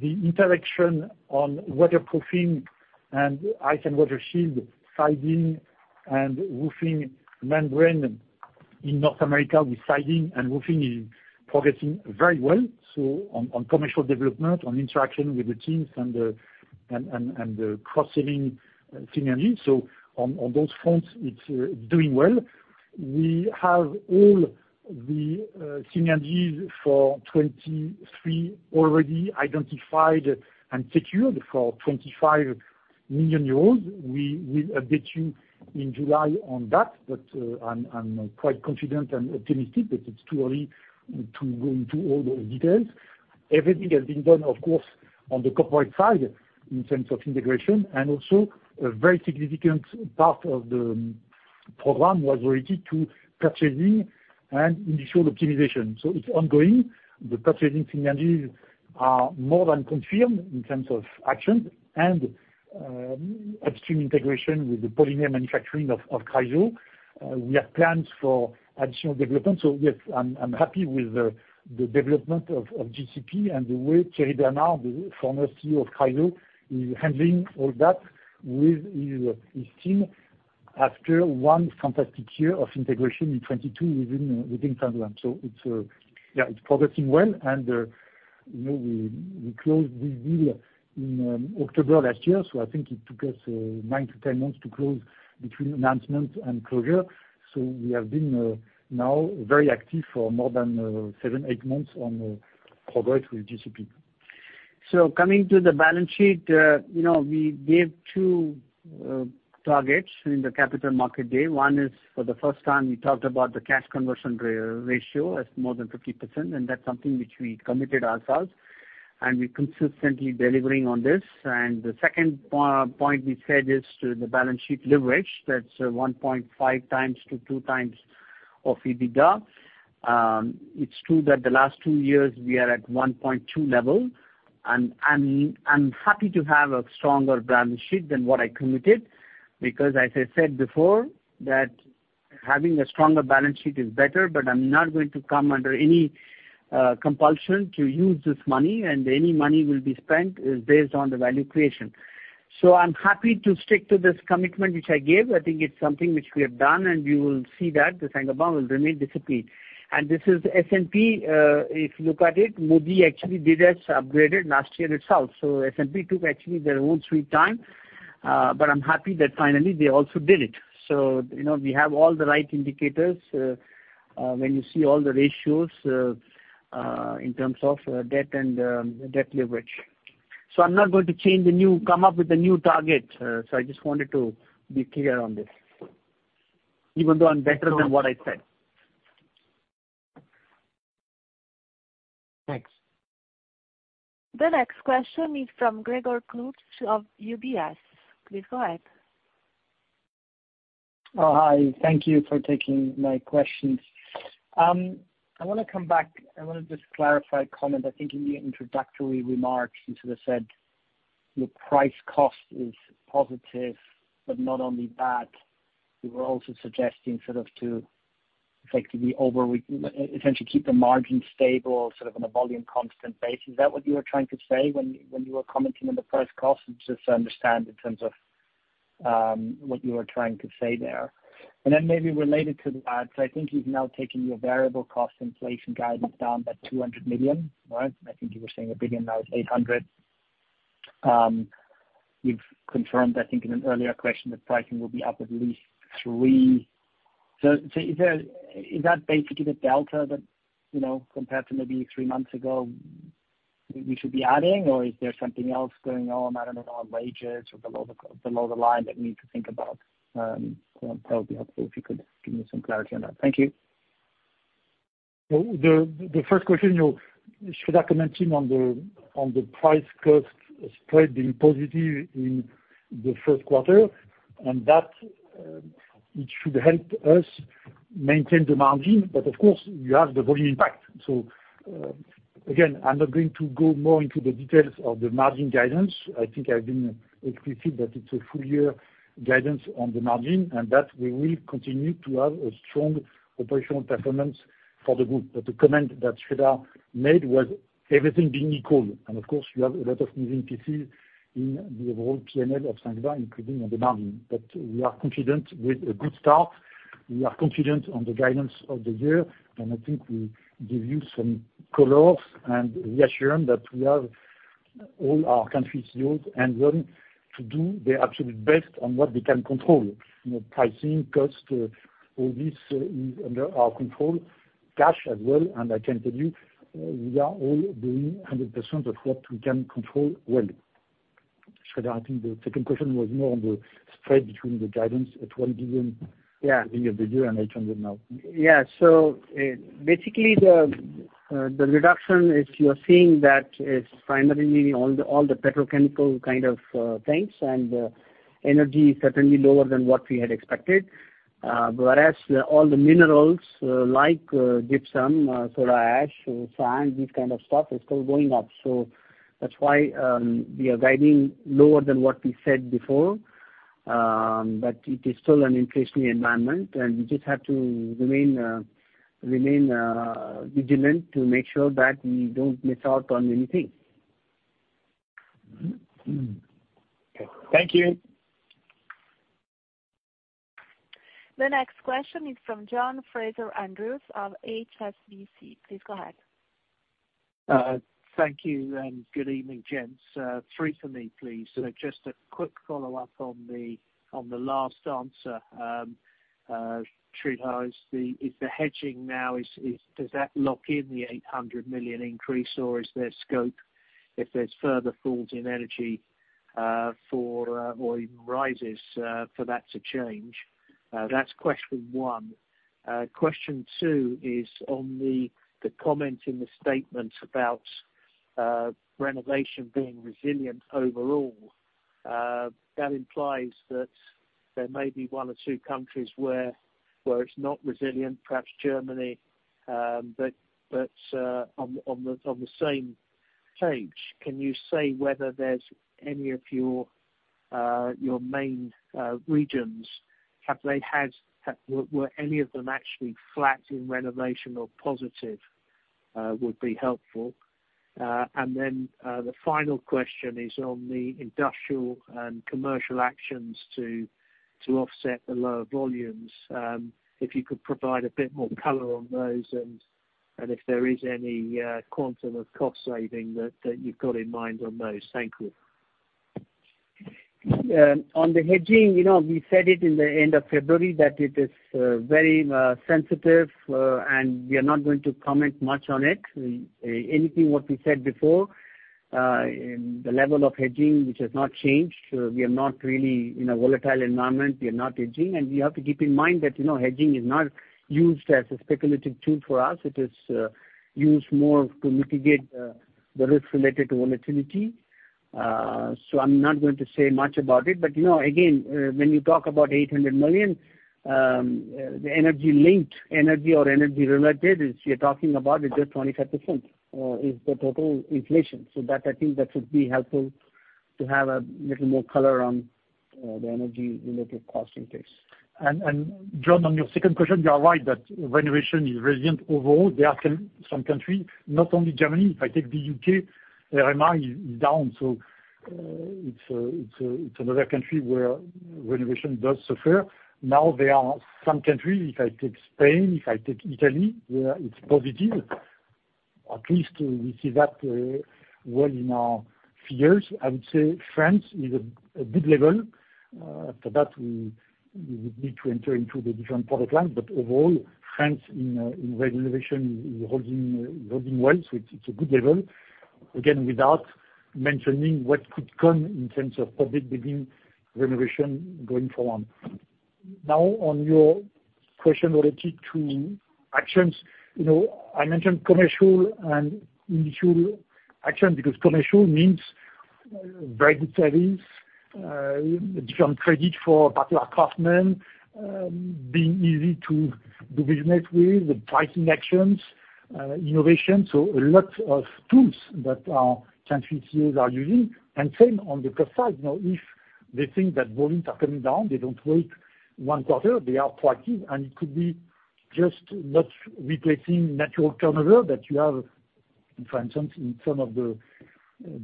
the interaction on waterproofing and Ice & Water Shield, siding and roofing membrane in North America with siding and roofing is progressing very well, so on commercial development, on interaction with the teams and the cross-selling synergy. On, on those fronts, it's doing well. We have all the synergies for 2023 already identified and secured for 25 million euros. We will update you in July on that, but I'm quite confident and optimistic that it's too early to go into all the details. Everything has been done, of course, on the corporate side in terms of integration, and also a very significant part of the program was related to purchasing and initial optimization. It's ongoing. The purchasing synergies are more than confirmed in terms of actions and upstream integration with the polymer manufacturing of Chryso. We have plans for additional development. Yes, I'm happy with the development of GCP and the way Thierry Benoît, the former CEO of Chryso, is handling all that with his team after one fantastic year of integration in 2022 within Saint-Gobain. It's progressing well. you know, we closed this deal in October last year, so I think it took us 9 to 10 months to close between announcement and closure. we have been now very active for more than seven, eight months on the corporate with GCP. Coming to the balance sheet, you know, we gave two targets in the capital market day. One is for the first time we talked about the cash conversion ratio as more than 50%, and that's something which we committed ourselves, and we're consistently delivering on this. The second point we said is to the balance sheet leverage, that's 1.5 times to two times of EBITDA. It's true that the last two years we are at 1.2 level, and I'm happy to have a stronger balance sheet than what I committed because as I said before, that having a stronger balance sheet is better, but I'm not going to come under any compulsion to use this money, and any money will be spent is based on the value creation. I'm happy to stick to this commitment which I gave. I think it's something which we have done, and you will see that the Saint-Gobain will remain disciplined. This is S&P, if you look at it, Moody's actually did us upgraded last year itself. S&P took actually their own sweet time. I'm happy that finally they also did it. You know, we have all the right indicators, when you see all the ratios, in terms of debt and debt leverage. I'm not going to come up with a new target, so I just wanted to be clear on this, even though I'm better than what I said. Thanks. The next question is from Gregor Kuglitsch of UBS. Please go ahead. Hi. Thank you for taking my questions. I want to come back, I want to just clarify a comment, I think, in the introductory remarks, you sort of said your price cost is positive, but not only that, you were also suggesting sort of to effectively essentially keep the margin stable sort of on a volume constant basis. Is that what you were trying to say when you were commenting on the price cost? Just to understand in terms of what you were trying to say there. Then maybe related to that, I think you've now taken your variable cost inflation guidance down by 200 million, right? I think you were saying 1 billion, now it's 800 million. You've confirmed, I think in an earlier question, that pricing will be up at least 3%. Is there... Is that basically the delta that, you know, compared to maybe three months ago, we should be adding, or is there something else going on, I don't know, on wages or below the line that we need to think about? That would be helpful if you could give me some clarity on that. Thank you. The first question, you know, Sreedhar commenting on the price cost spread being positive in the first quarter, and that it should help us maintain the margin. Of course, you have the volume impact. Again, I'm not going to go more into the details of the margin guidance. I think I've been explicit that it's a full year guidance on the margin, and that we will continue to have a strong operational performance for the group. The comment that Sreedhar made was everything being equal. Of course, you have a lot of moving pieces in the overall P&L of Saint-Gobain, including on the margin. We are confident with a good start. We are confident on the guidance of the year, and I think we give you some colors and reassuring that we have all our country CEOs and them to do their absolute best on what they can control. You know, pricing, cost, all this is under our control, cash as well. I can tell you, we are all doing 100% of what we can control well. Sreedhar, I think the second question was more on the spread between the guidance at 1 billion- Yeah. at the beginning of the year and 800 now. Yeah. Basically the reduction is you're seeing that it's primarily all the petrochemical kind of things and energy is certainly lower than what we had expected. Whereas all the minerals, like gypsum, soda ash, sand, this kind of stuff is still going up. That's why we are guiding lower than what we said before. It is still an inflationary environment, and we just have to remain vigilant to make sure that we don't miss out on anything. Okay. Thank you. The next question is from John Fraser-Andrews of HSBC. Please go ahead. Thank you, and good evening, gents. Three for me, please. Just a quick follow-up on the last answer. Sreedhar, is the hedging now, does that lock in the 800 million increase, or is there scope if there's further falls in energy, for or even rises, for that to change? That's question one. Question two is on the comment in the statement about renovation being resilient overall. That implies that there may be one or two countries where it's not resilient, perhaps Germany, but on the same page, can you say whether any of your main regions were actually flat in renovation or positive? Would be helpful. The final question is on the industrial and commercial actions to offset the lower volumes. If you could provide a bit more color on those, and if there is any quantum of cost saving that you've got in mind on those. Thank you. On the hedging, you know, we said it in the end of February that it is very sensitive, and we are not going to comment much on it. Anything what we said before, the level of hedging, which has not changed. We are not really in a volatile environment. We are not hedging. We have to keep in mind that, you know, hedging is not used as a speculative tool for us. It is used more to mitigate the risk related to volatility. I'm not going to say much about it. You know, again, when you talk about 800 million, the energy linked, energy or energy related is you're talking about is just 25%, is the total inflation. That, I think that should be helpful to have a little more color on the energy related cost increase. John, on your second question, you are right that renovation is resilient overall. There are some country, not only Germany, if I take the U.K., RMI is down. It's another country where renovation does suffer. There are some country, if I take Spain, if I take Italy, yeah, it's positive. At least we see that, well in our figures, I would say France is a good level. After that, we would need to enter into the different product lines. Overall, France in renovation is holding well. It's a good level, again, without mentioning what could come in terms of public building renovation going forward. Now, on your question related to actions, you know, I mentioned commercial and individual action because commercial means very good savings, different credit for particular craftsmen, being easy to do business with, the pricing actions, innovation. A lot of tools that our country CEOs are using. Same on the cost side, you know, if they think that volumes are coming down, they don't wait 1 quarter, they are proactive, and it could be just not replacing natural turnover that you have, for instance, in some of the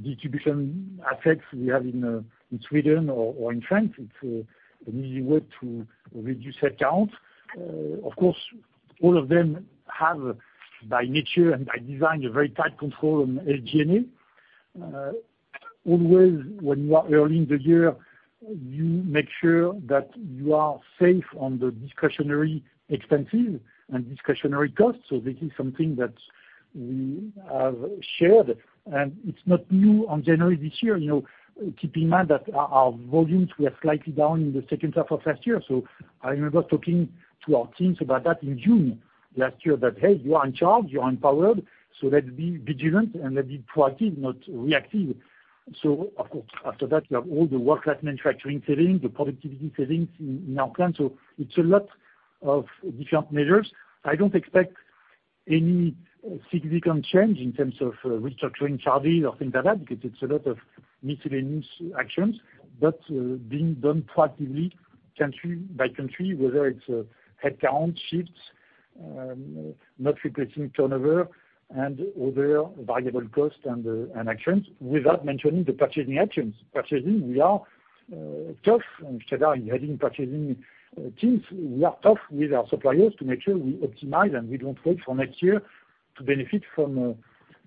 distribution assets we have in Sweden or in France, it's an easy way to reduce headcount. Of course, all of them have, by nature and by design, a very tight control on AGME. Always when you are early in the year, you make sure that you are safe on the discretionary expenses and discretionary costs. This is something that we have shared, and it's not new on January this year. You know, keep in mind that our volumes were slightly down in the second half of last year. I remember talking to our teams about that in June last year, that, "Hey, you are in charge, you are empowered, so let's be vigilant and let's be proactive, not reactive." Of course, after that, you have all the world-class manufacturing savings, the productivity savings in our plan. It's a lot of different measures. I don't expect any significant change in terms of restructuring charges or things like that because it's a lot of miscellaneous actions, but being done proactively country by country, whether it's headcount shifts, not replacing turnover and other variable costs and actions, without mentioning the purchasing actions. Purchasing, we are tough. Sreedhar, heading purchasing teams, we are tough with our suppliers to make sure we optimize and we don't wait for next year to benefit from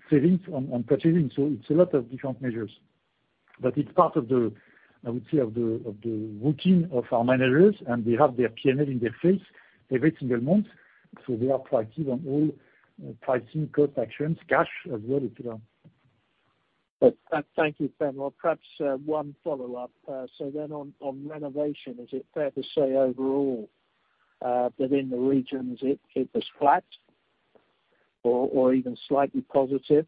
savings on purchasing. It's a lot of different measures. It's part of the, I would say, of the, of the routine of our managers, and they have their P&L in their face every single month, so they are proactive on all pricing cost actions, cash as well, if you know. Thank you, Benoît. Perhaps, one follow-up. On renovation, is it fair to say overall, that in the regions it was flat or even slightly positive?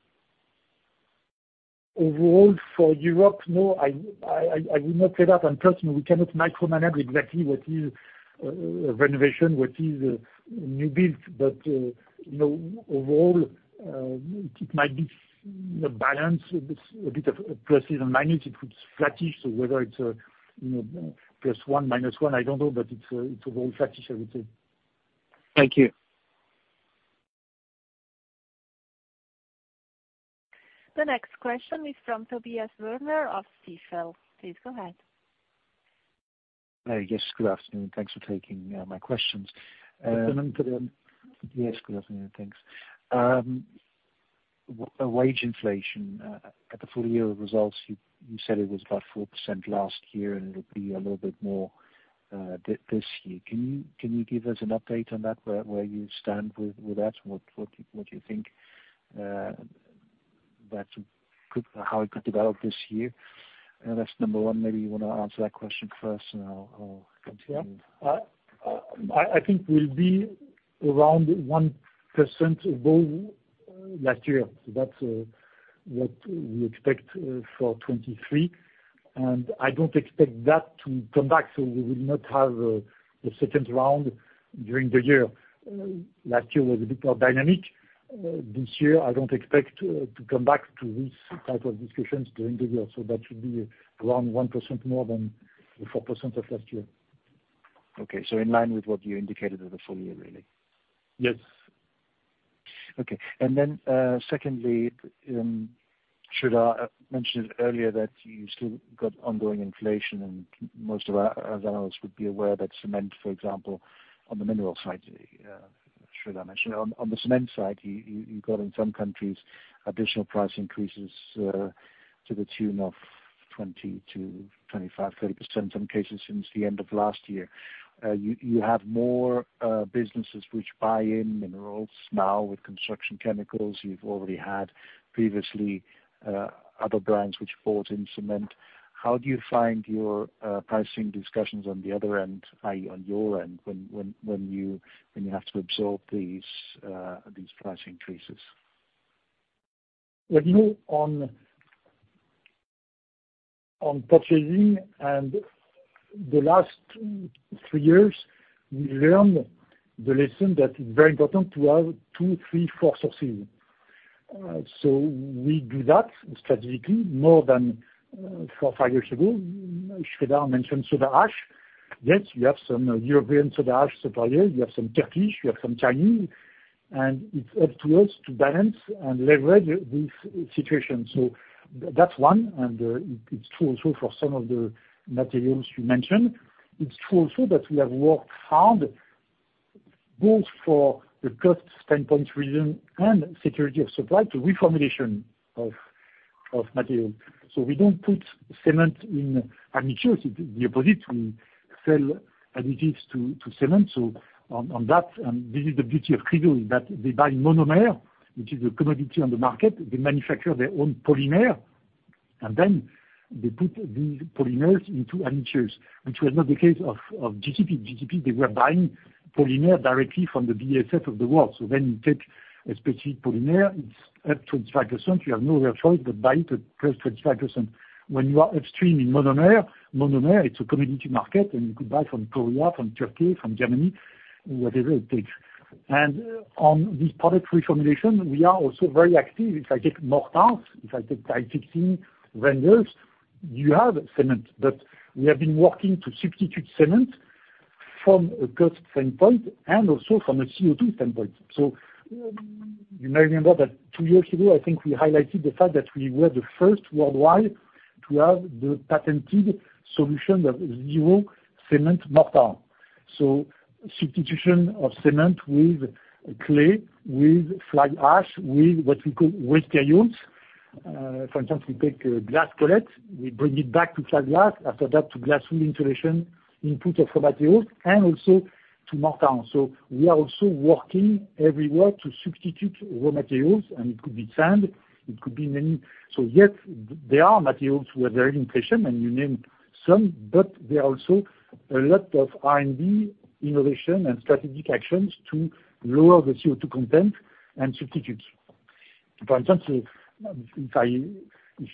Overall for Europe, no, I would not say that. Plus, you know, we cannot micromanage exactly what is renovation, what is new build. You know, overall, it might be a balance with a bit of pluses and minus. It looks flattish, so whether it's, you know, +1, -1, I don't know, but it's overall flattish I would say. Thank you. The next question is from Tobias Woerner of Stifel. Please go ahead. Yes, good afternoon. Thanks for taking my questions. Good afternoon. Yes, good afternoon. Thanks. wage inflation at the full year results, you said it was about 4% last year, and it'll be a little bit more this year. Can you give us an update on that, where you stand with that? What do you think that could, how it could develop this year? That's number one. Maybe you wanna answer that question first, and I'll continue. Yeah. I think we'll be around 1% above last year. That's what we expect for 2023. I don't expect that to come back, so we will not have a second round during the year. Last year was a bit more dynamic. This year I don't expect to come back to this type of discussions during the year, so that should be around 1% more than the 4% of last year. Okay. In line with what you indicated at the full year, really. Yes. Okay. Secondly, Sreedhar mentioned earlier that you still got ongoing inflation, and most of our, as analysts would be aware that cement, for example, on the mineral side, Sreedhar mentioned. On the cement side, you got in some countries additional price increases, to the tune of 20%-25%, 30%, some cases since the end of last year. You have more businesses which buy in minerals now with construction chemicals. You've already had previously, other brands which bought in cement. How do you find your pricing discussions on the other end, i.e. on your end, when you have to absorb these price increases? You know, on purchasing and the last two, three years, we learned the lesson that it's very important to have two, three, four sources. We do that strategically more than four, five years ago. Sreedhar mentioned soda ash. Yes, we have some European soda ash suppliers. We have some Turkish, we have some Chinese, and it's up to us to balance and leverage this situation. That's one, and it's true also for some of the materials you mentioned. It's true also that we have worked hard both for the cost standpoint reason and security of supply to reformulation of material. We don't put cement in admixtures. The opposite, we sell additives to cement. On that, and this is the beauty of Chryso, is that they buy monomer, which is a commodity on the market. They manufacture their own polymer, then they put these polymers into admixtures, which was not the case of GCP. GCP, they were buying polymer directly from the BASF of the world. When you take a specific polymer, it's at 25%, you have no real choice but buy it at close to 25%. When you are upstream in monomer, it's a community market, you could buy from Korea, from Turkey, from Germany, whatever it takes. On this product reformulation, we are also very active. If I take Mortars, if I take dry fixing renders, you have cement. We have been working to substitute cement from a cost standpoint and also from a CO2 standpoint. You may remember that two years ago, I think we highlighted the fact that we were the first worldwide to have the patented solution that is zero cement mortar. Substitution of cement with clay, with fly ash, with what we call waste glass. For instance, we take glass collect, we bring it back to flat glass. After that to glass wool insulation, input of raw materials and also to mortar. We are also working everywhere to substitute raw materials. It could be sand, it could be many. Yes, there are materials who are very impatient, and you name some, but there are also a lot of R&D innovation and strategic actions to lower the CO2 content and substitute. For instance, if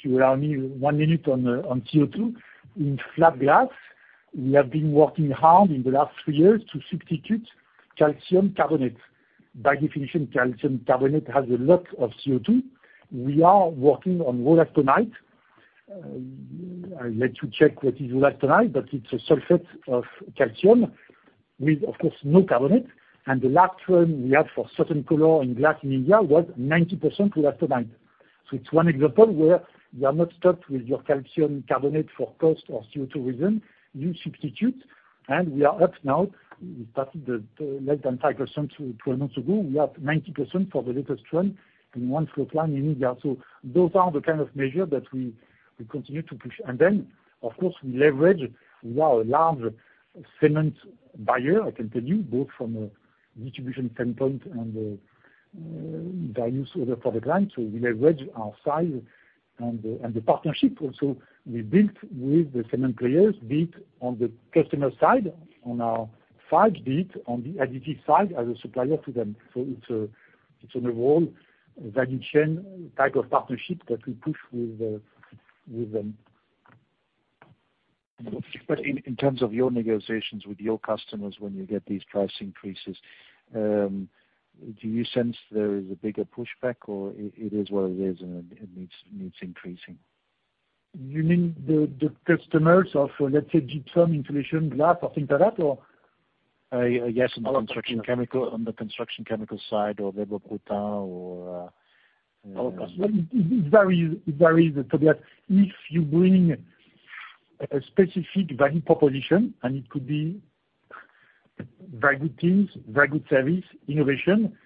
you allow me one minute on CO2. In flat glass, we have been working hard in the last three years to substitute calcium carbonate. By definition, calcium carbonate has a lot of CO2. We are working on Wollastonite. I'll let you check what is wollastonite, but it's a sulfate of calcium with, of course, no carbonate. The last one we have for certain color and glass in India was 90% Wollastonite. It's one example where you are not stuck with your calcium carbonate for cost or CO2 reason. You substitute, and we are up now. We started at less than 5%, 12 months ago. We are at 90% for the latest trend in one flow plan in India. Those are the kind of measure that we continue to push. Of course, we leverage. We are a large cement buyer, I can tell you, both from a distribution standpoint and a various other product lines. We leverage our size and the partnership also we built with the cement players, be it on the customer side, on our five bit, on the additive side as a supplier to them. It's on a whole value chain type of partnership that we push with them. In terms of your negotiations with your customers, when you get these price increases, do you sense there is a bigger pushback or it is what it is and it needs increasing? You mean the customers of, let's say, gypsum, insulation, glass, or think that up or? yes, on the construction chemical side or Weber, Parex or. It varies, it varies. That if you bring a specific value proposition, and it could be very good teams, very good service, innovation,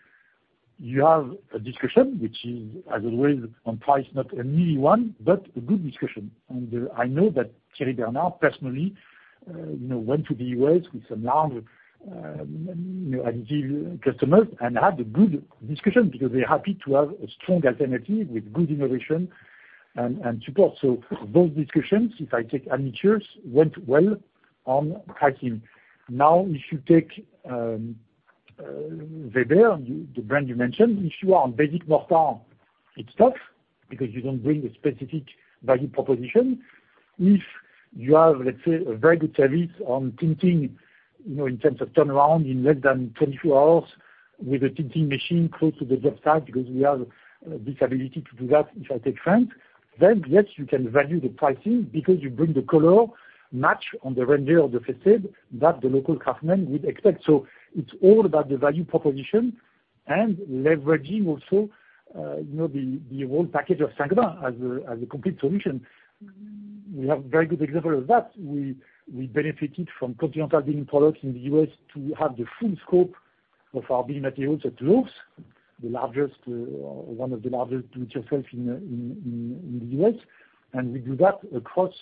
you have a discussion, which is as always on price, not an easy one, but a good discussion. I know that Thierry Benoît personally, you know, went to the US with a large, you know, ideal customers and had a good discussion because they're happy to have a strong alternative with good innovation and support. Those discussions, if I take Admixtures, went well on pricing. If you take Weber, the brand you mentioned, if you are on basic mortar, it's tough because you don't bring a specific value proposition. If you have, let's say, a very good service on tinting, you know, in terms of turnaround in less than 24 hours with a tinting machine close to the job site, because we have this ability to do that, if I take France, yes, you can value the pricing because you bring the color match on the render of the facade that the local craftsman would expect. It's all about the value proposition and leveraging also, you know, the whole package of Saint-Gobain as a complete solution. We have very good example of that. We benefited from Continental Building Products in the U.S. to have the full scope of our building materials at Lowe's, the largest, one of the largest do-it-yourself in the U.S. We do that across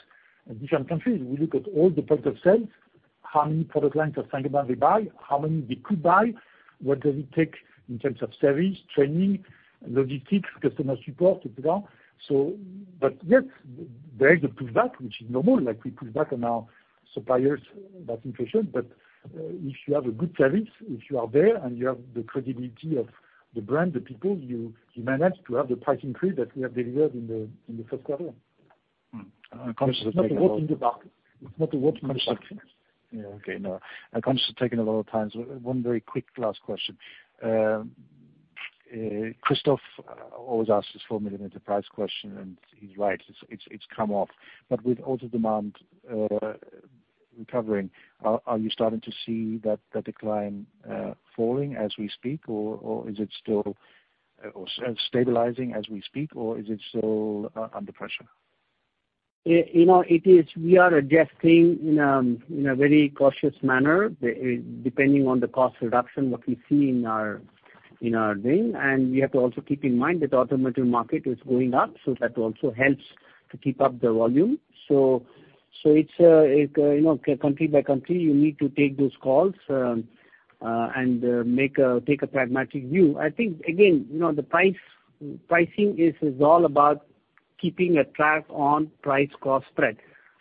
different countries. We look at all the points of sales, how many product lines of Saint-Gobain they buy, how many they could buy, what does it take in terms of service, training, logistics, customer support, etc. Yes, there is a pushback, which is normal, like we push back on our suppliers about inflation. If you have a good service, if you are there and you have the credibility of the brand, the people, you manage to have the price increase that we have delivered in the first quarter. Mm. It's not a work in the dark. Yeah. Okay. No, I'm conscious of taking a lot of time. One very quick last question. Christophe always asks this four million enterprise question, and he's right. It's come off. With auto demand recovering, are you starting to see that decline falling as we speak? Or is it still stabilizing as we speak? Or is it still under pressure? You know, it is we are adjusting in a very cautious manner, depending on the cost reduction, what we see in our ring. We have to also keep in mind that automotive market is going up, so that also helps to keep up the volume. So it's, you know, country by country, you need to take those calls and take a pragmatic view. I think again, you know, the price, pricing is all about keeping a track on price-cost spread.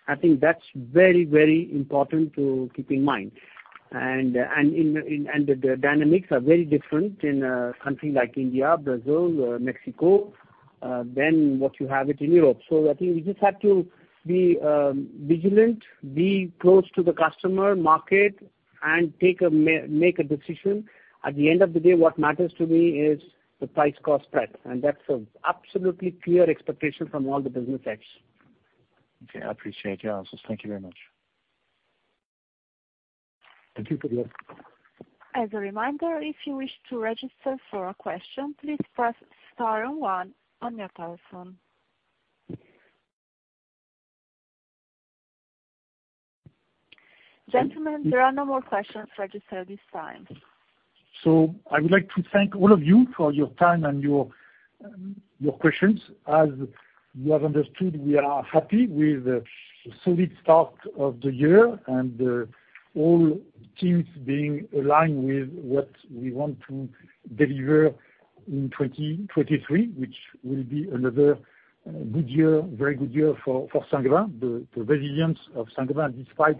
I think that's very, very important to keep in mind. The dynamics are very different in a country like India, Brazil, Mexico, than what you have it in Europe. I think we just have to be vigilant, be close to the customer market and make a decision. At the end of the day, what matters to me is the price-cost spread, and that's a absolutely clear expectation from all the business heads. Okay, I appreciate your answers. Thank you very much. Thank you, Pablo. As a reminder, if you wish to register for a question, please press star on one on your telephone. Gentlemen, there are no more questions registered at this time. I would like to thank all of you for your time and your questions. As you have understood, we are happy with a solid start of the year and all teams being aligned with what we want to deliver in 2023, which will be another good year, very good year for Saint-Gobain. The resilience of Saint-Gobain, despite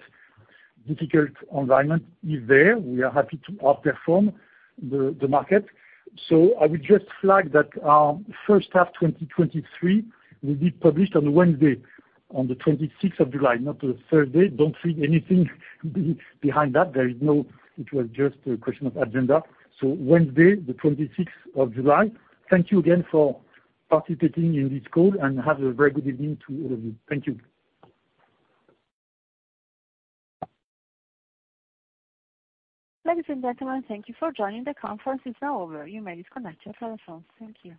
difficult environment, is there. We are happy to outperform the market. I would just flag that first half 2023 will be published on Wednesday, on the 26th of July, not the Thursday. Don't read anything behind that. There is no. It was just a question of agenda. Wednesday, the 26th of July. Thank you again for participating in this call and have a very good evening to all of you. Thank you. Ladies and gentlemen, thank you for joining. The conference is now over. You may disconnect your telephones. Thank you.